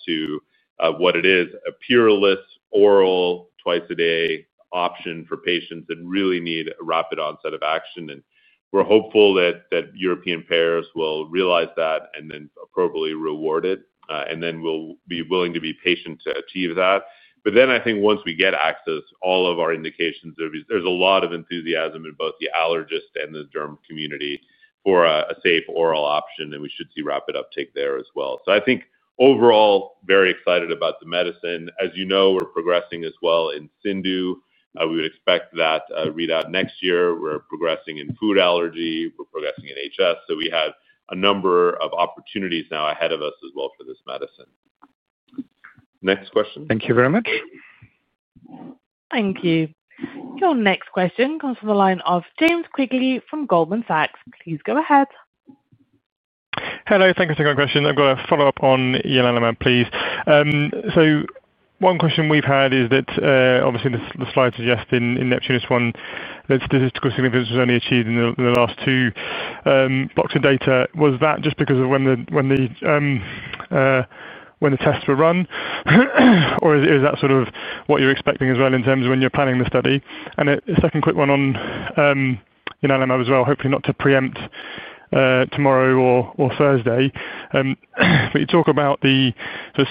Speaker 3: to what it is, a pure list oral twice-a-day option for patients that really need a rapid onset of action. We're hopeful that European payers will realize that and then appropriately reward it. We'll be willing to be patient to achieve that. Once we get access to all of our indications, there's a lot of enthusiasm in both the allergist and the derm community for a safe oral option. We should see rapid uptake there as well. Overall, very excited about the medicine. As you know, we're progressing as well in CSU. We would expect that readout next year. We're progressing in food allergy. We're progressing in HS. We have a number of opportunities now ahead of us as well for this medicine. Next question.
Speaker 9: Thank you very much.
Speaker 1: Thank you. Your next question comes from the line of James Quigley from Goldman Sachs. Please go ahead.
Speaker 10: Hello. Thanks for taking my question. I've got a follow-up on ianalumab, please. One question we've had is that obviously the slides suggest in Neptune statistical significance was only achieved in the last two blocks of data. Was that just because of when the tests were run? Is that sort of what you're expecting as well in terms of when you're planning the study? A second quick one on ianalumab as well, hopefully not to preempt tomorrow or Thursday. You talk about the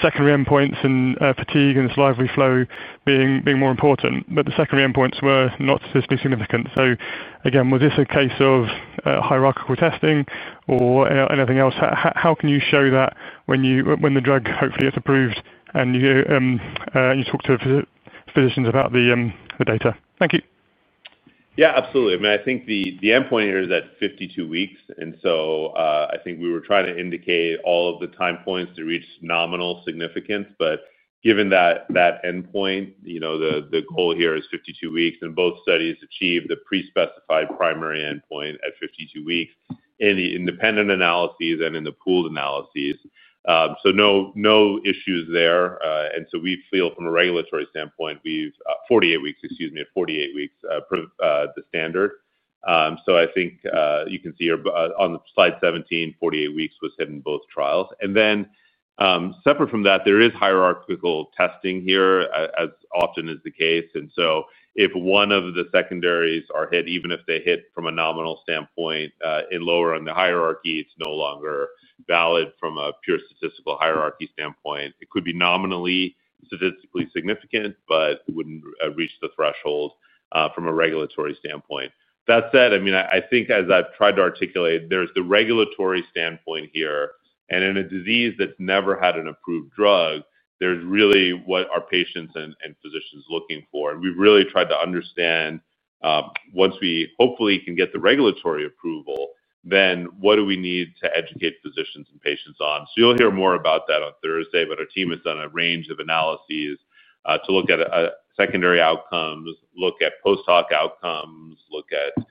Speaker 10: secondary endpoints and fatigue and salivary flow being more important, but the secondary endpoints were not statistically significant. Was this a case of hierarchical testing or anything else? How can you show that when the drug hopefully gets approved and you talk to physicians about the data? Thank you.
Speaker 3: Yeah, absolutely. I mean, I think the endpoint here is at 52 weeks. I think we were trying to indicate all of the time points to reach nominal significance. Given that endpoint, you know the goal here is 52 weeks. Both studies achieved the pre-specified primary endpoint at 52 weeks in the independent analyses and in the pooled analyses. No issues there. We feel from a regulatory standpoint, 48 weeks, excuse me, at 48 weeks the standard. I think you can see here on slide 17, 48 weeks was hit in both trials. Separate from that, there is hierarchical testing here as often is the case. If one of the secondaries are hit, even if they hit from a nominal standpoint lower in the hierarchy, it's no longer valid from a pure statistical hierarchy standpoint. It could be nominally statistically significant, but it wouldn't reach the threshold from a regulatory standpoint. That said, I think as I've tried to articulate, there's the regulatory standpoint here. In a disease that's never had an approved drug, there's really what our patients and physicians are looking for. We've really tried to understand once we hopefully can get the regulatory approval, then what do we need to educate physicians and patients on? You'll hear more about that on Thursday. Our team has done a range of analyses to look at secondary outcomes, look at post-hoc outcomes, look at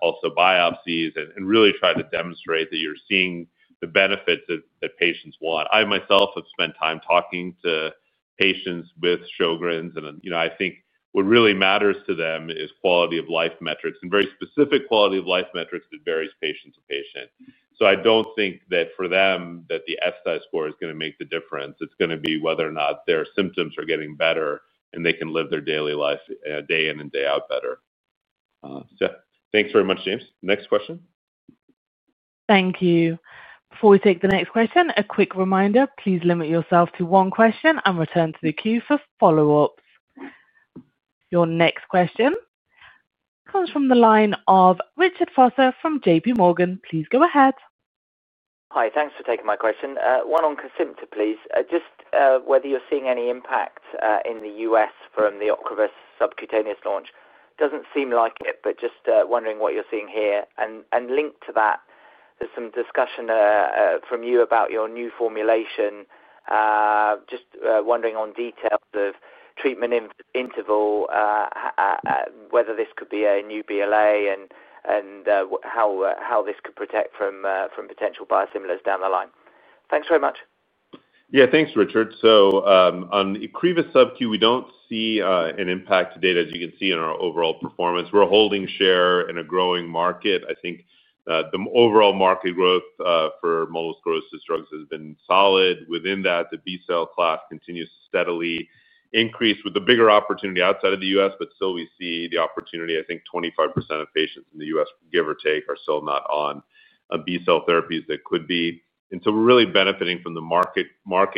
Speaker 3: also biopsies, and really try to demonstrate that you're seeing the benefits that patients want. I myself have spent time talking to patients with Sjogren's. I think what really matters to them is quality of life metrics and very specific quality of life metrics that varies patient to patient. I don't think that for them the SDI score is going to make the difference. It's going to be whether or not their symptoms are getting better and they can live their daily life day in and day out better. Thanks very much, James. Next question.
Speaker 1: Thank you. Before we take the next question, a quick reminder, please limit yourself to one question and return to the queue for follow-ups. Your next question comes from the line of Richard Foster from JP Morgan. Please go ahead.
Speaker 11: Hi, thanks for taking my question. One on Cosentyx, please. Just whether you're seeing any impact in the U.S. from the Ocrevus subcutaneous launch. Doesn't seem like it, but just wondering what you're seeing here. Linked to that, there's some discussion from you about your new formulation. Just wondering on details of treatment interval, whether this could be a new BLA and how this could protect from potential biosimilars down the line. Thanks very much. Yeah, thanks, Richard. On the Ocrevus sub-Q, we don't see an impact to date, as you can see in our overall performance. We're holding share in a growing market. I think the overall market growth for multiple sclerosis drugs has been solid. Within that, the B-cell class continues to steadily increase with a bigger opportunity outside of the U.S. We still see the opportunity. I think 25% of patients in the U.S., give or take, are still not on B-cell therapies that could be. We're really benefiting from the market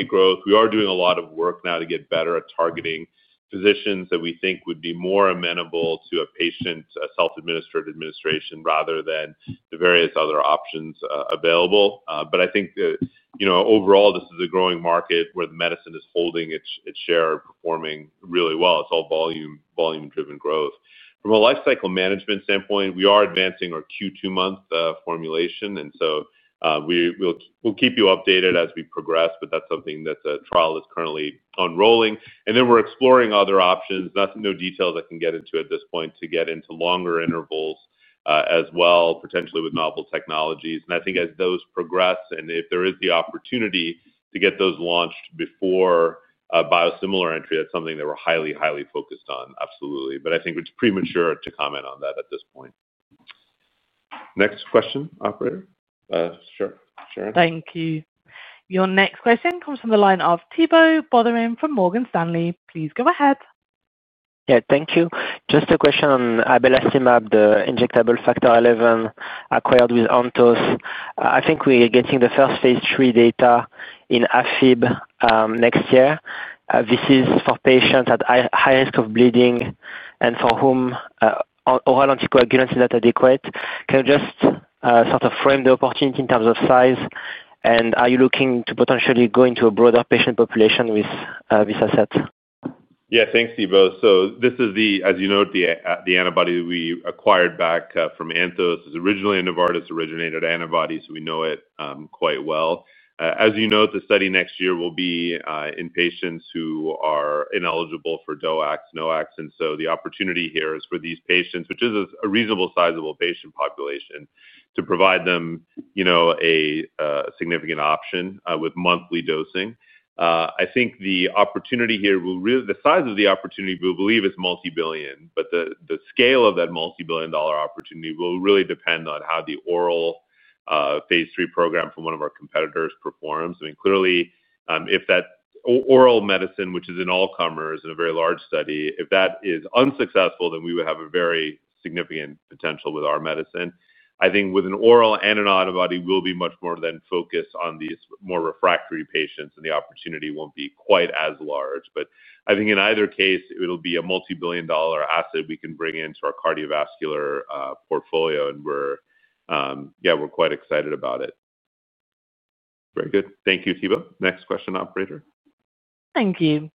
Speaker 11: growth. We are doing a lot of work now to get better at targeting physicians that we think would be more amenable to a patient self-administered administration rather than the various other options available. I think that overall, this is a growing market where the medicine is holding its share and performing really well. It's all volume-driven growth. From a lifecycle management standpoint, we are advancing our Q2 month formulation. We'll keep you updated as we progress. That's something that's a trial that's currently enrolling. We're exploring other options. No details I can get into at this point to get into longer intervals as well, potentially with novel technologies. I think as those progress and if there is the opportunity to get those launched before biosimilar entry, that's something that we're highly, highly focused on, absolutely. I think it's premature to comment on that at this point. Next question, operator? Sure.
Speaker 1: Thank you. Your next question comes from the line of Thibaut Bothering from Morgan Stanley. Please go ahead.
Speaker 12: Yeah, thank you. Just a question on abelacimab, the injectable factor XI acquired with Anthos Therapeutics. I think we're getting the first phase 3 data in Afib next year. This is for patients at high risk of bleeding and for whom oral anticoagulant is not adequate. Can you just sort of frame the opportunity in terms of size? Are you looking to potentially go into a broader patient population with this asset?
Speaker 3: Yeah, thanks, Thibaut. This is the, as you note, the antibody that we acquired back from Anthos Therapeutics. It is originally a Novartis-originated antibody, so we know it quite well. As you note, the study next year will be in patients who are ineligible for DOACs, NOACs. The opportunity here is for these patients, which is a reasonably sizable patient population, to provide them a significant option with monthly dosing. I think the opportunity here, the size of the opportunity, we believe, is multibillion. The scale of that multibillion dollar opportunity will really depend on how the oral phase 3 program from one of our competitors performs. Clearly, if that oral medicine, which is an all-comers in a very large study, is unsuccessful, then we would have a very significant potential with our medicine. I think with an oral antibody, we will be much more focused on these more refractory patients, and the opportunity will not be quite as large. I think in either case, it will be a multibillion dollar asset we can bring into our cardiovascular portfolio. We're quite excited about it. Very good. Thank you, Thibaut. Next question, operator.
Speaker 1: Thank you.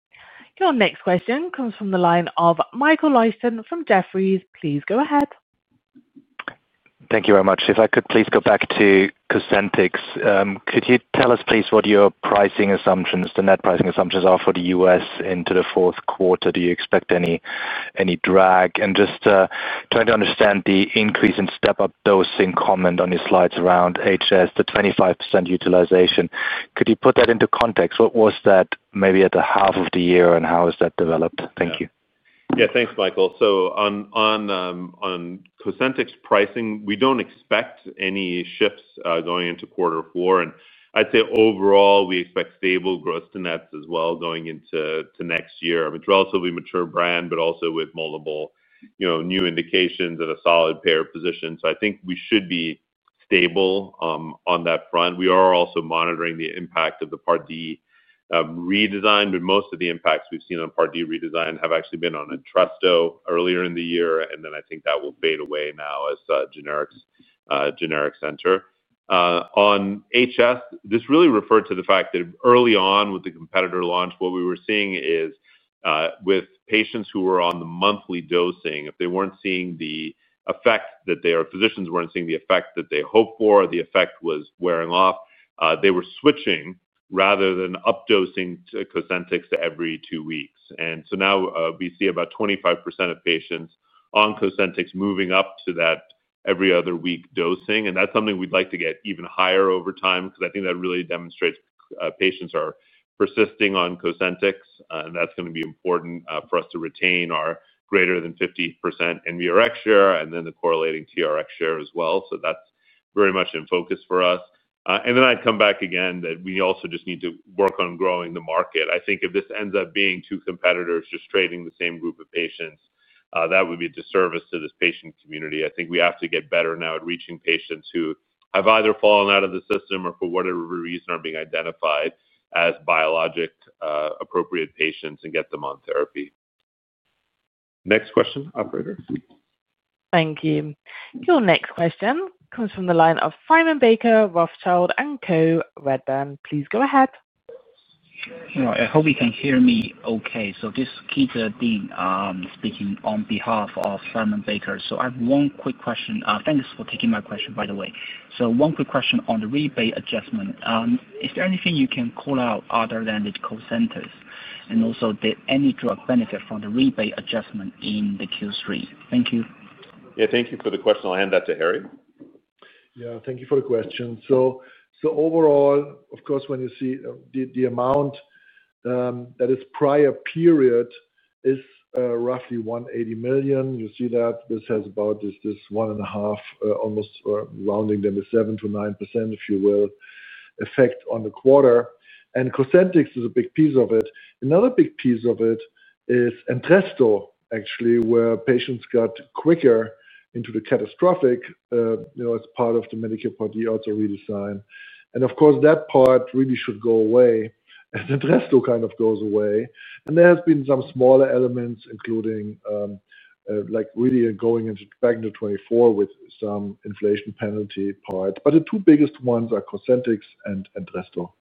Speaker 1: Your next question comes from the line of Michael Lyson from Jefferies. Please go ahead.
Speaker 13: Thank you very much. If I could please go back to Cosentyx, could you tell us please what your pricing assumptions, the net pricing assumptions are for the U.S. into the fourth quarter? Do you expect any drag? I'm just trying to understand the increase in step-up dosing comment on your slides around HS, the 25% utilization. Could you put that into context? What was that maybe at the half of the year and how has that developed? Thank you.
Speaker 3: Yeah, thanks, Michael. On Cosentyx pricing, we don't expect any shifts going into quarter four. Overall, we expect stable growth to nets as well going into next year. It's a relatively mature brand, but also with multiple new indications and a solid payer position. I think we should be stable on that front. We are also monitoring the impact of the Part D redesign. Most of the impacts we've seen on Part D redesign have actually been on Entresto earlier in the year. I think that will fade away now as generics enter. On HS, this really referred to the fact that early on with the competitor launch, what we were seeing is with patients who were on the monthly dosing, if they weren't seeing the effect that their physicians weren't seeing the effect that they hoped for or the effect was wearing off, they were switching rather than updosing to Cosentyx every two weeks. Now we see about 25% of patients on Cosentyx moving up to that every other week dosing. That's something we'd like to get even higher over time because I think that really demonstrates patients are persisting on Cosentyx. That's going to be important for us to retain our greater than 50% NVRX share and then the correlating TRX share as well. That's very much in focus for us. I'd come back again that we also just need to work on growing the market. If this ends up being two competitors just trading the same group of patients, that would be a disservice to this patient community. I think we have to get better now at reaching patients who have either fallen out of the system or for whatever reason are being identified as biologic-appropriate patients and get them on therapy. Next question, operator.
Speaker 1: Thank you. Your next question comes from the line of Simon Baker, Rothschild & Co. Redburn. Please go ahead.
Speaker 14: I hope you can hear me okay. This is Peter speaking on behalf of Simon Baker. I have one quick question. Thanks for taking my question, by the way. One quick question on the rebate adjustment. Is there anything you can call out other than Cosentyx? Also, did any drug benefit from the rebate adjustment in Q3? Thank you.
Speaker 3: Yeah, thank you for the question. I'll hand that to Harry.
Speaker 4: Yeah, thank you for the question. Overall, when you see the amount that is prior period, it is roughly $180 million. You see that this has about this one and a half, almost rounding them with 7%-9%, if you will, effect on the quarter. Cosentyx is a big piece of it. Another big piece of it is Entresto, actually, where patients got quicker into the catastrophic, you know, as part of the Medicare Part D auto-redesign. That part really should go away. Entresto kind of goes away. There have been some smaller elements, including like really going back into 2024 with some inflation penalty parts. The two biggest ones are Cosentyx and Entresto.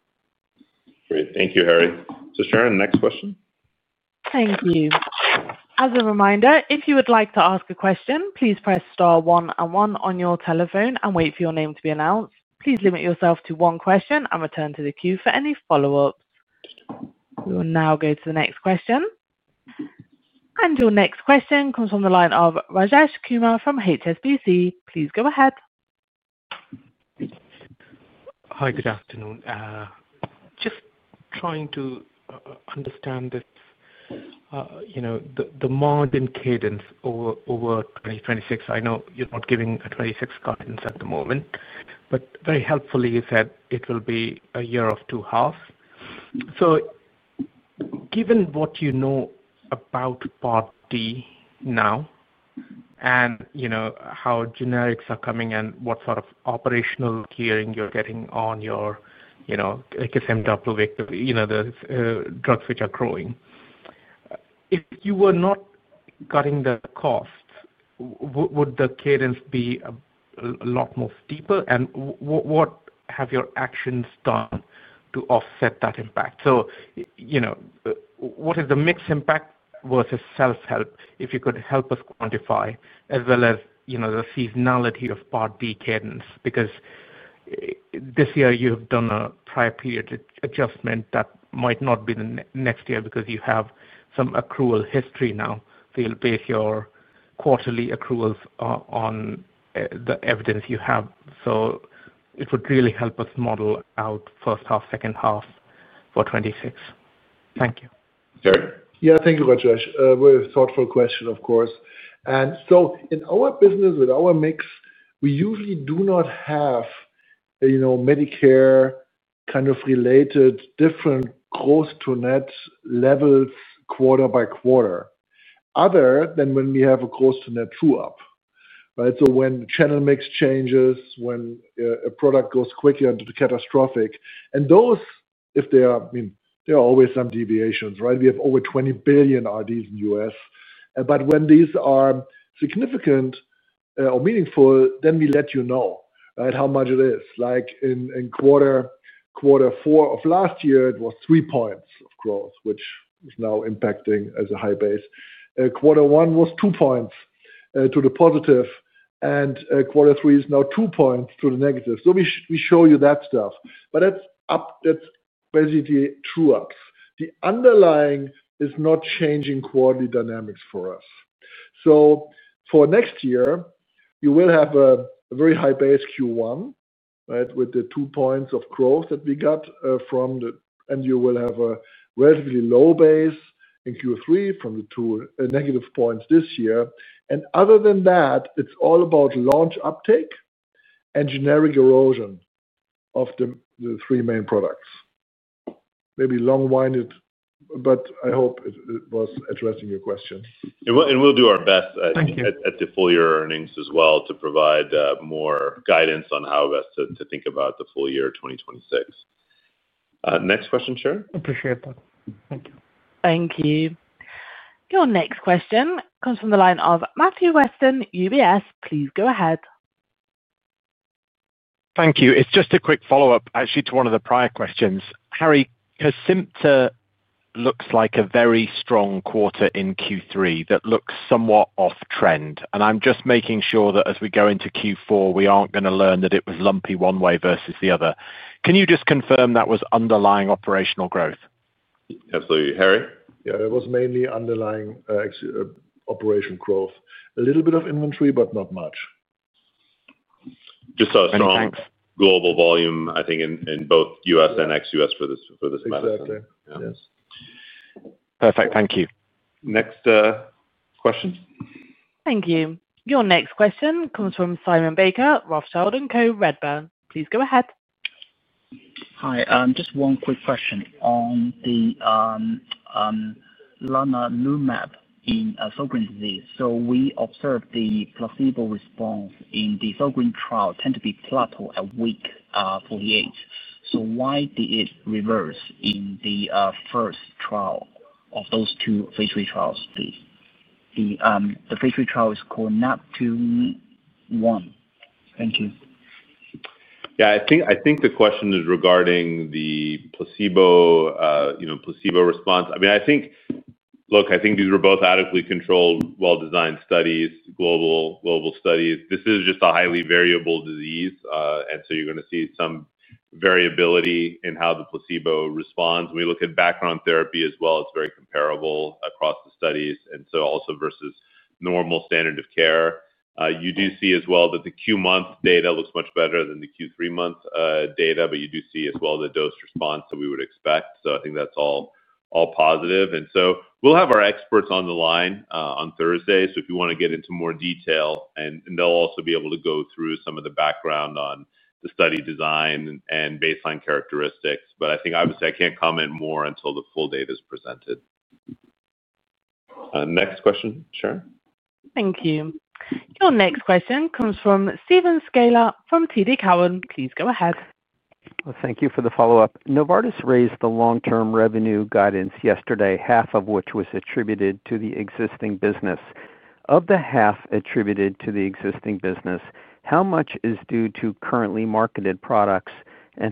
Speaker 3: Great. Thank you, Harry. Sharon, next question.
Speaker 1: Thank you. As a reminder, if you would like to ask a question, please press star one and one on your telephone and wait for your name to be announced. Please limit yourself to one question and return to the queue for any follow-ups. We will now go to the next question. Your next question comes from the line of Rajesh Kumar from HSBC. Please go ahead.
Speaker 15: Hi, good afternoon. Just trying to understand the margin cadence over 2026. I know you're not giving a 2026 cadence at the moment. Very helpfully, you said it will be a year of two halves. Given what you know about Medicare Part D now and you know how generics are coming and what sort of operational gearing you're getting on your drugs which are growing, if you were not cutting the costs, would the cadence be a lot more steeper? What have your actions done to offset that impact? What is the mixed impact versus self-help, if you could help us quantify, as well as the seasonality of Medicare Part D cadence? This year you have done a prior period adjustment that might not be the next year because you have some accrual history now. You'll base your quarterly accruals on the evidence you have. It would really help us model out first half, second half for 2026. Thank you.
Speaker 3: Yeah, thank you, Rajesh. Very thoughtful question, of course. In our business, with our mix, we usually do not have, you know, Medicare kind of related different growth to net levels quarter by quarter, other than when we have a growth to net true up, right? When the channel mix changes, when a product goes quickly onto the catastrophic, and those, if they are, I mean, there are always some deviations, right? We have over $20 billion RDs in the U.S. When these are significant or meaningful, then we let you know, right, how much it is. Like in quarter four of last year, it was three points of growth, which is now impacting as a high base. Quarter one was two points to the positive, and quarter three is now two points to the negative. We show you that stuff, but that's basically true ups. The underlying is not changing quarterly dynamics for us. For next year, you will have a very high base Q1, right, with the two points of growth that we got from the, and you will have a relatively low base in Q3 from the two negative points this year. Other than that, it's all about launch uptake and generic erosion of the three main products. Maybe long-winded, but I hope it was addressing your question. I think at the full year earnings as well to provide more guidance on how best to think about the full year of 2026. Next question, Sharon.
Speaker 15: Appreciate that. Thank you.
Speaker 1: Thank you. Your next question comes from the line of Matthew Weston, UBS. Please go ahead.
Speaker 5: Thank you. It's just a quick follow-up actually to one of the prior questions. Harry, Cosentyx looks like a very strong quarter in Q3 that looks somewhat off-trend. I'm just making sure that as we go into Q4, we aren't going to learn that it was lumpy one way versus the other. Can you just confirm that was underlying operational growth?
Speaker 3: Absolutely. Harry?
Speaker 4: Yeah, it was mainly underlying operational growth, a little bit of inventory, but not much.
Speaker 3: Just a strong global volume, I think, in both US and ex-US for this management.
Speaker 4: Exactly. Yes.
Speaker 5: Perfect. Thank you.
Speaker 3: Next question.
Speaker 1: Thank you. Your next question comes from Simon Baker, Rothschild & Co. Redburn. Please go ahead.
Speaker 14: Hi. Just one quick question on the ianalumab in Sjogren's disease. We observed the placebo response in the Sjogren's trial tend to be plateaued at week 48. Why did it reverse in the first trial of those two phase 3 trials, please? The phase 3 trial is called Neptune 1. Thank you.
Speaker 3: Yeah, I think the question is regarding the placebo response. I mean, I think these were both adequately controlled, well-designed studies, global studies. This is just a highly variable disease, and you're going to see some variability in how the placebo responds. When we look at background therapy as well, it's very comparable across the studies, also versus normal standard of care. You do see as well that the Q month data looks much better than the Q3 month data. You do see as well the dose response that we would expect. I think that's all positive. We'll have our experts on the line on Thursday if you want to get into more detail, and they'll also be able to go through some of the background on the study design and baseline characteristics. I can't comment more until the full data is presented. Next question, Sharon.
Speaker 1: Thank you. Your next question comes from Steven Scala from TD Cowen. Please go ahead.
Speaker 7: Thank you for the follow-up. Novartis raised the long-term revenue guidance yesterday, half of which was attributed to the existing business. Of the half attributed to the existing business, how much is due to currently marketed products?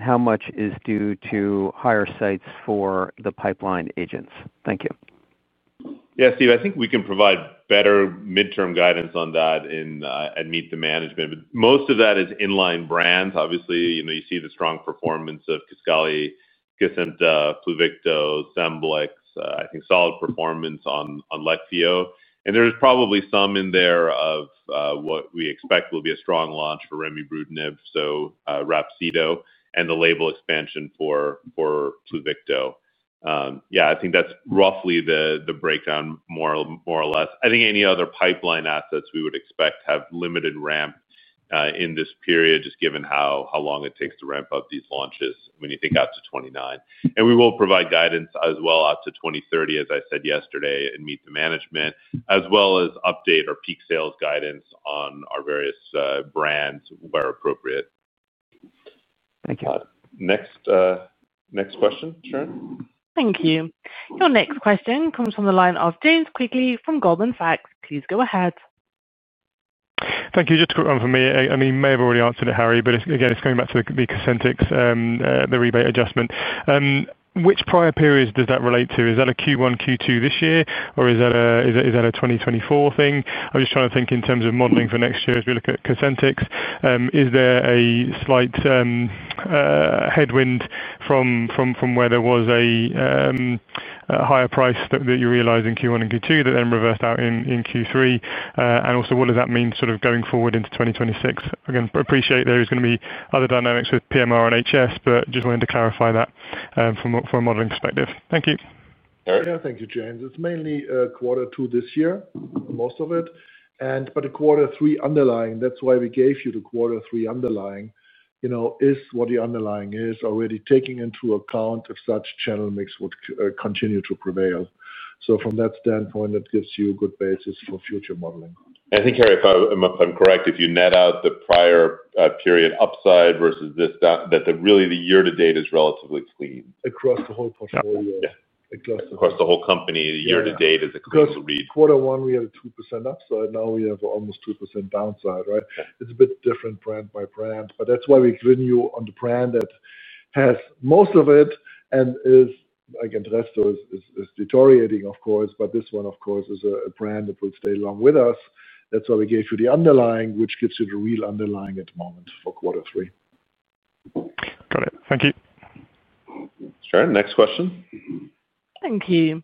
Speaker 7: How much is due to higher sites for the pipeline agents? Thank you.
Speaker 3: Yeah, Steve, I think we can provide better midterm guidance on that and meet the management. Most of that is inline brands. Obviously, you see the strong performance of Kisqali, Cosentyx, Pluvicto, Scemblix. I think solid performance on Leqvio. There's probably some in there of what we expect will be a strong launch for remibrutinib, and the label expansion for Pluvicto. I think that's roughly the breakdown, more or less. Any other pipeline assets we would expect have limited ramp in this period, just given how long it takes to ramp up these launches when you think out to 2029. We will provide guidance as well out to 2030, as I said yesterday, and meet the management, as well as update our peak sales guidance on our various brands where appropriate.
Speaker 7: Thank you.
Speaker 3: Next question, Sharon.
Speaker 1: Thank you. Your next question comes from the line of James Quigley from Goldman Sachs. Please go ahead.
Speaker 10: Thank you. Just for me, I mean, you may have already answered it, Harry, but again, it's going back to the Cosentyx, the rebate adjustment. Which prior periods does that relate to? Is that a Q1, Q2 this year, or is that a 2024 thing? I'm just trying to think in terms of modeling for next year as we look at Cosentyx. Is there a slight headwind from where there was a higher price that you realize in Q1 and Q2 that then reversed out in Q3? Also, what does that mean sort of going forward into 2026? Again, appreciate there is going to be other dynamics with PMR and HS, but just wanted to clarify that from a modeling perspective. Thank you.
Speaker 4: All right. Yeah, thank you, James. It's mainly quarter two this year, most of it. The quarter three underlying, that's why we gave you the quarter three underlying, you know, is what the underlying is already taking into account if such channel mix would continue to prevail. From that standpoint, it gives you a good basis for future modeling.
Speaker 3: I think, Harry, if I'm correct, if you net out the prior period upside versus this down, that really the year-to-date is relatively clean.
Speaker 4: Across the whole portfolio.
Speaker 3: Yeah, across the whole company, the year-to-date is a clear read.
Speaker 4: Because quarter one, we had a 2% upside. Now we have almost 2% downside, right? It's a bit different brand by brand. That's why we're giving you on the brand that has most of it and is, again, Entresto is deteriorating, of course. This one, of course, is a brand that will stay along with us. That's why we gave you the underlying, which gives you the real underlying at the moment for quarter three.
Speaker 10: Got it. Thank you.
Speaker 3: Sharon, next question.
Speaker 1: Thank you.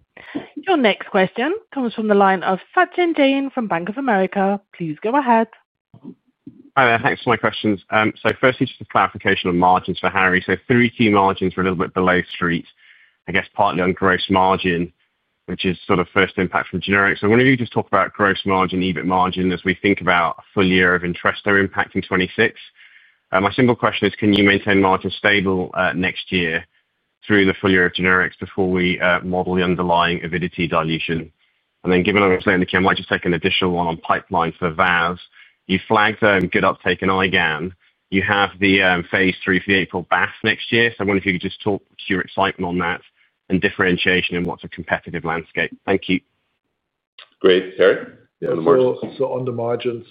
Speaker 1: Your next question comes from the line of Sachin Dean from Bank of America. Please go ahead.
Speaker 16: Hi, there. Thanks for my questions. Firstly, just a clarification on margins for Harry. Three key margins were a little bit below street, I guess partly on gross margin, which is sort of first impact from generics. I wonder if you could just talk about gross margin, EBIT margin, as we think about a full year of Entresto impacting 2026. My single question is, can you maintain margin stable next year through the full year of generics before we model the underlying Avidity dilution? Given what we're saying in the KMI, just take an additional one on pipeline for Vas. You flagged good uptake in Eigan. You have the phase 3 for the April back. Next I wonder if you could just talk to your excitement on that and differentiation in what's a competitive landscape. Thank you.
Speaker 3: Great. Harry?
Speaker 4: Yeah, on the margins. On the margins,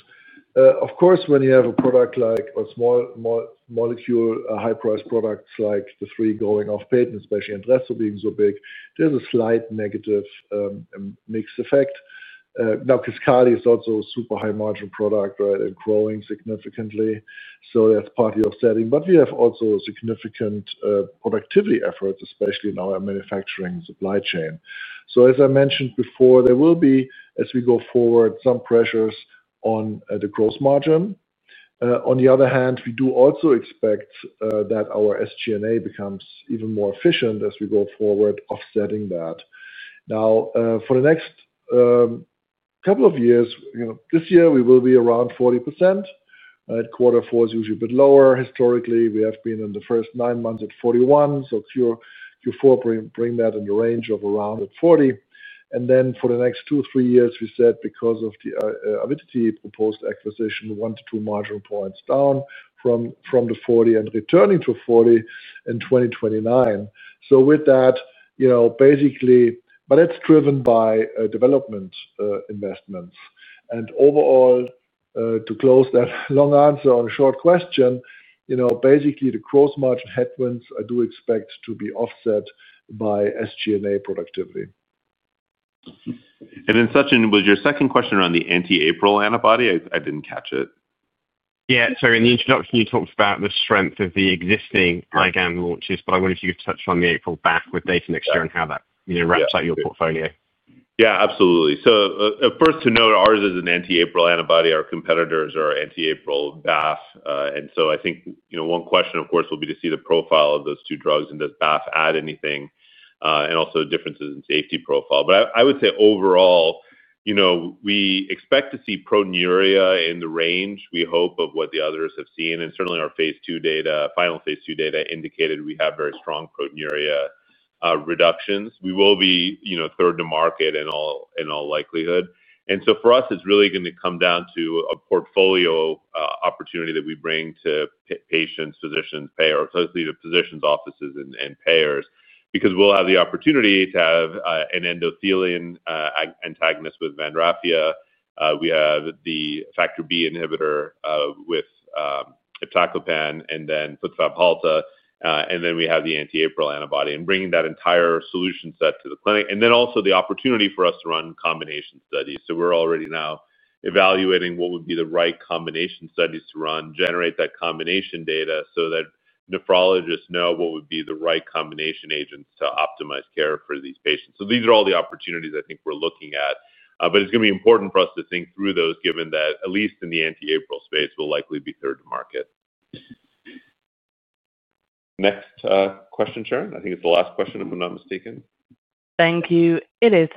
Speaker 4: of course, when you have a product like or small molecule high-price products like the three going off patent, especially Entresto being so big, there's a slight negative mix effect. Cascade is also a super high-margin product, right, and growing significantly. That's partly offsetting. We have also a significant productivity effort, especially in our manufacturing supply chain. As I mentioned before, there will be, as we go forward, some pressures on the gross margin. On the other hand, we do also expect that our SG&A becomes even more efficient as we go forward, offsetting that. For the next couple of years, you know this year we will be around 40%. Quarter four is usually a bit lower. Historically, we have been in the first nine months at 41%. Q4 brings that in the range of around 40%. For the next two or three years, we said because of the Avidity Biosciences proposed acquisition, one to two margin points down from the 40% and returning to 40% in 2029. With that, you know basically, but it's driven by development investments. Overall, to close that long answer on a short question, you know basically, the gross margin headwinds I do expect to be offset by SG&A productivity.
Speaker 3: Was your second question around the anti-APRIL antibody? I didn't catch it.
Speaker 16: Yeah. Sorry. In the introduction, you talked about the strength of the existing ligand launches, but I wonder if you could touch on the April bath with data next year and how that wraps up your portfolio.
Speaker 3: Yeah, absolutely. First to note, ours is an anti-APRIL antibody. Our competitors are anti-APRIL BAFF. I think one question, of course, will be to see the profile of those two drugs and does BAFF add anything, and also differences in safety profile. I would say overall, we expect to see proteinuria in the range, we hope, of what the others have seen. Certainly, our phase 2 data, final phase 2 data indicated we have very strong proteinuria reductions. We will be third to market in all likelihood. For us, it's really going to come down to a portfolio opportunity that we bring to patients, physicians, payers, to physicians' offices and payers because we'll have the opportunity to have an endothelin antagonist with Vanrafia, we have the factor B inhibitor with iptacopan, and then Fabhalta, and then we have the anti-APRIL antibody, and bringing that entire solution set to the clinic. Also, the opportunity for us to run combination studies. We're already now evaluating what would be the right combination studies to run, generate that combination data so that nephrologists know what would be the right combination agents to optimize care for these patients. These are all the opportunities I think we're looking at. It's going to be important for us to think through those given that at least in the anti-APRIL space, we'll likely be third to market. Next question, Sharon. I think it's the last question, if I'm not mistaken.
Speaker 1: Thank you. It is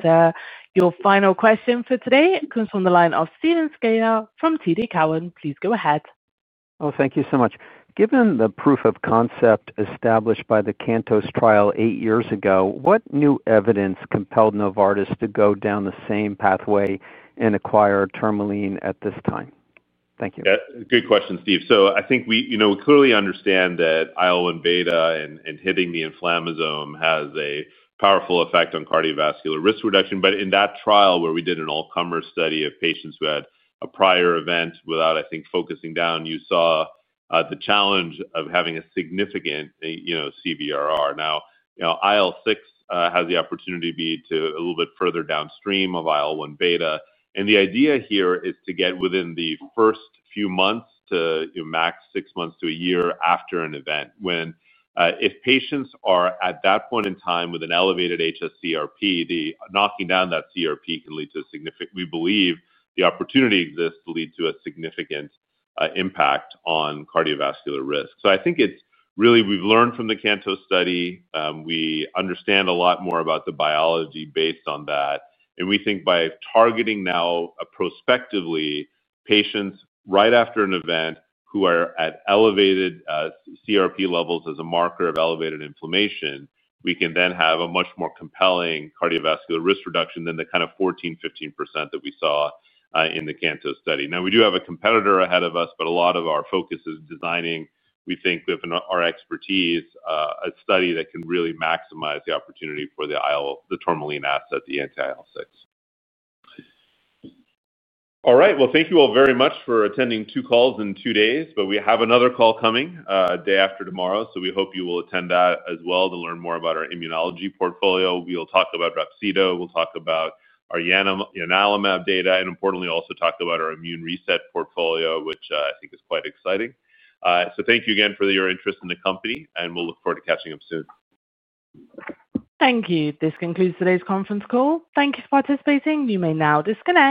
Speaker 1: your final question for today. It comes from the line of Steven Skiena from TD Cowen. Please go ahead.
Speaker 7: Oh, thank you so much. Given the proof of concept established by the Cantos trial eight years ago, what new evidence compelled Novartis to go down the same pathway and acquire Tourmaline at this time? Thank you.
Speaker 3: Good question, Steve. I think we clearly understand that IL-1 beta and hitting the inflammasome has a powerful effect on cardiovascular risk reduction. In that trial where we did an all-comers study of patients who had a prior event without, I think, focusing down, you saw the challenge of having a significant CVRR. IL-6 has the opportunity to be a little bit further downstream of IL-1 beta. The idea here is to get within the first few months to max six months to a year after an event. If patients are at that point in time with an elevated HSCRP, knocking down that CRP can lead to a significant, we believe, the opportunity exists to lead to a significant impact on cardiovascular risk. I think it's really we've learned from the Cantos study. We understand a lot more about the biology based on that. We think by targeting now prospectively patients right after an event who are at elevated CRP levels as a marker of elevated inflammation, we can then have a much more compelling cardiovascular risk reduction than the kind of 14%-15% that we saw in the Cantos study. We do have a competitor ahead of us, but a lot of our focus is designing, we think, with our expertise, a study that can really maximize the opportunity for the Tourmaline asset, the anti-IL-6. Thank you all very much for attending two calls in two days. We have another call coming a day after tomorrow. We hope you will attend that as well to learn more about our immunology portfolio. We'll talk about remibrutinib. We'll talk about our ianalumab data and, importantly, also talk about our Immune Reset portfolio, which I think is quite exciting. Thank you again for your interest in the company. We'll look forward to catching up soon.
Speaker 1: Thank you. This concludes today's conference call. Thank you for participating. You may now disconnect.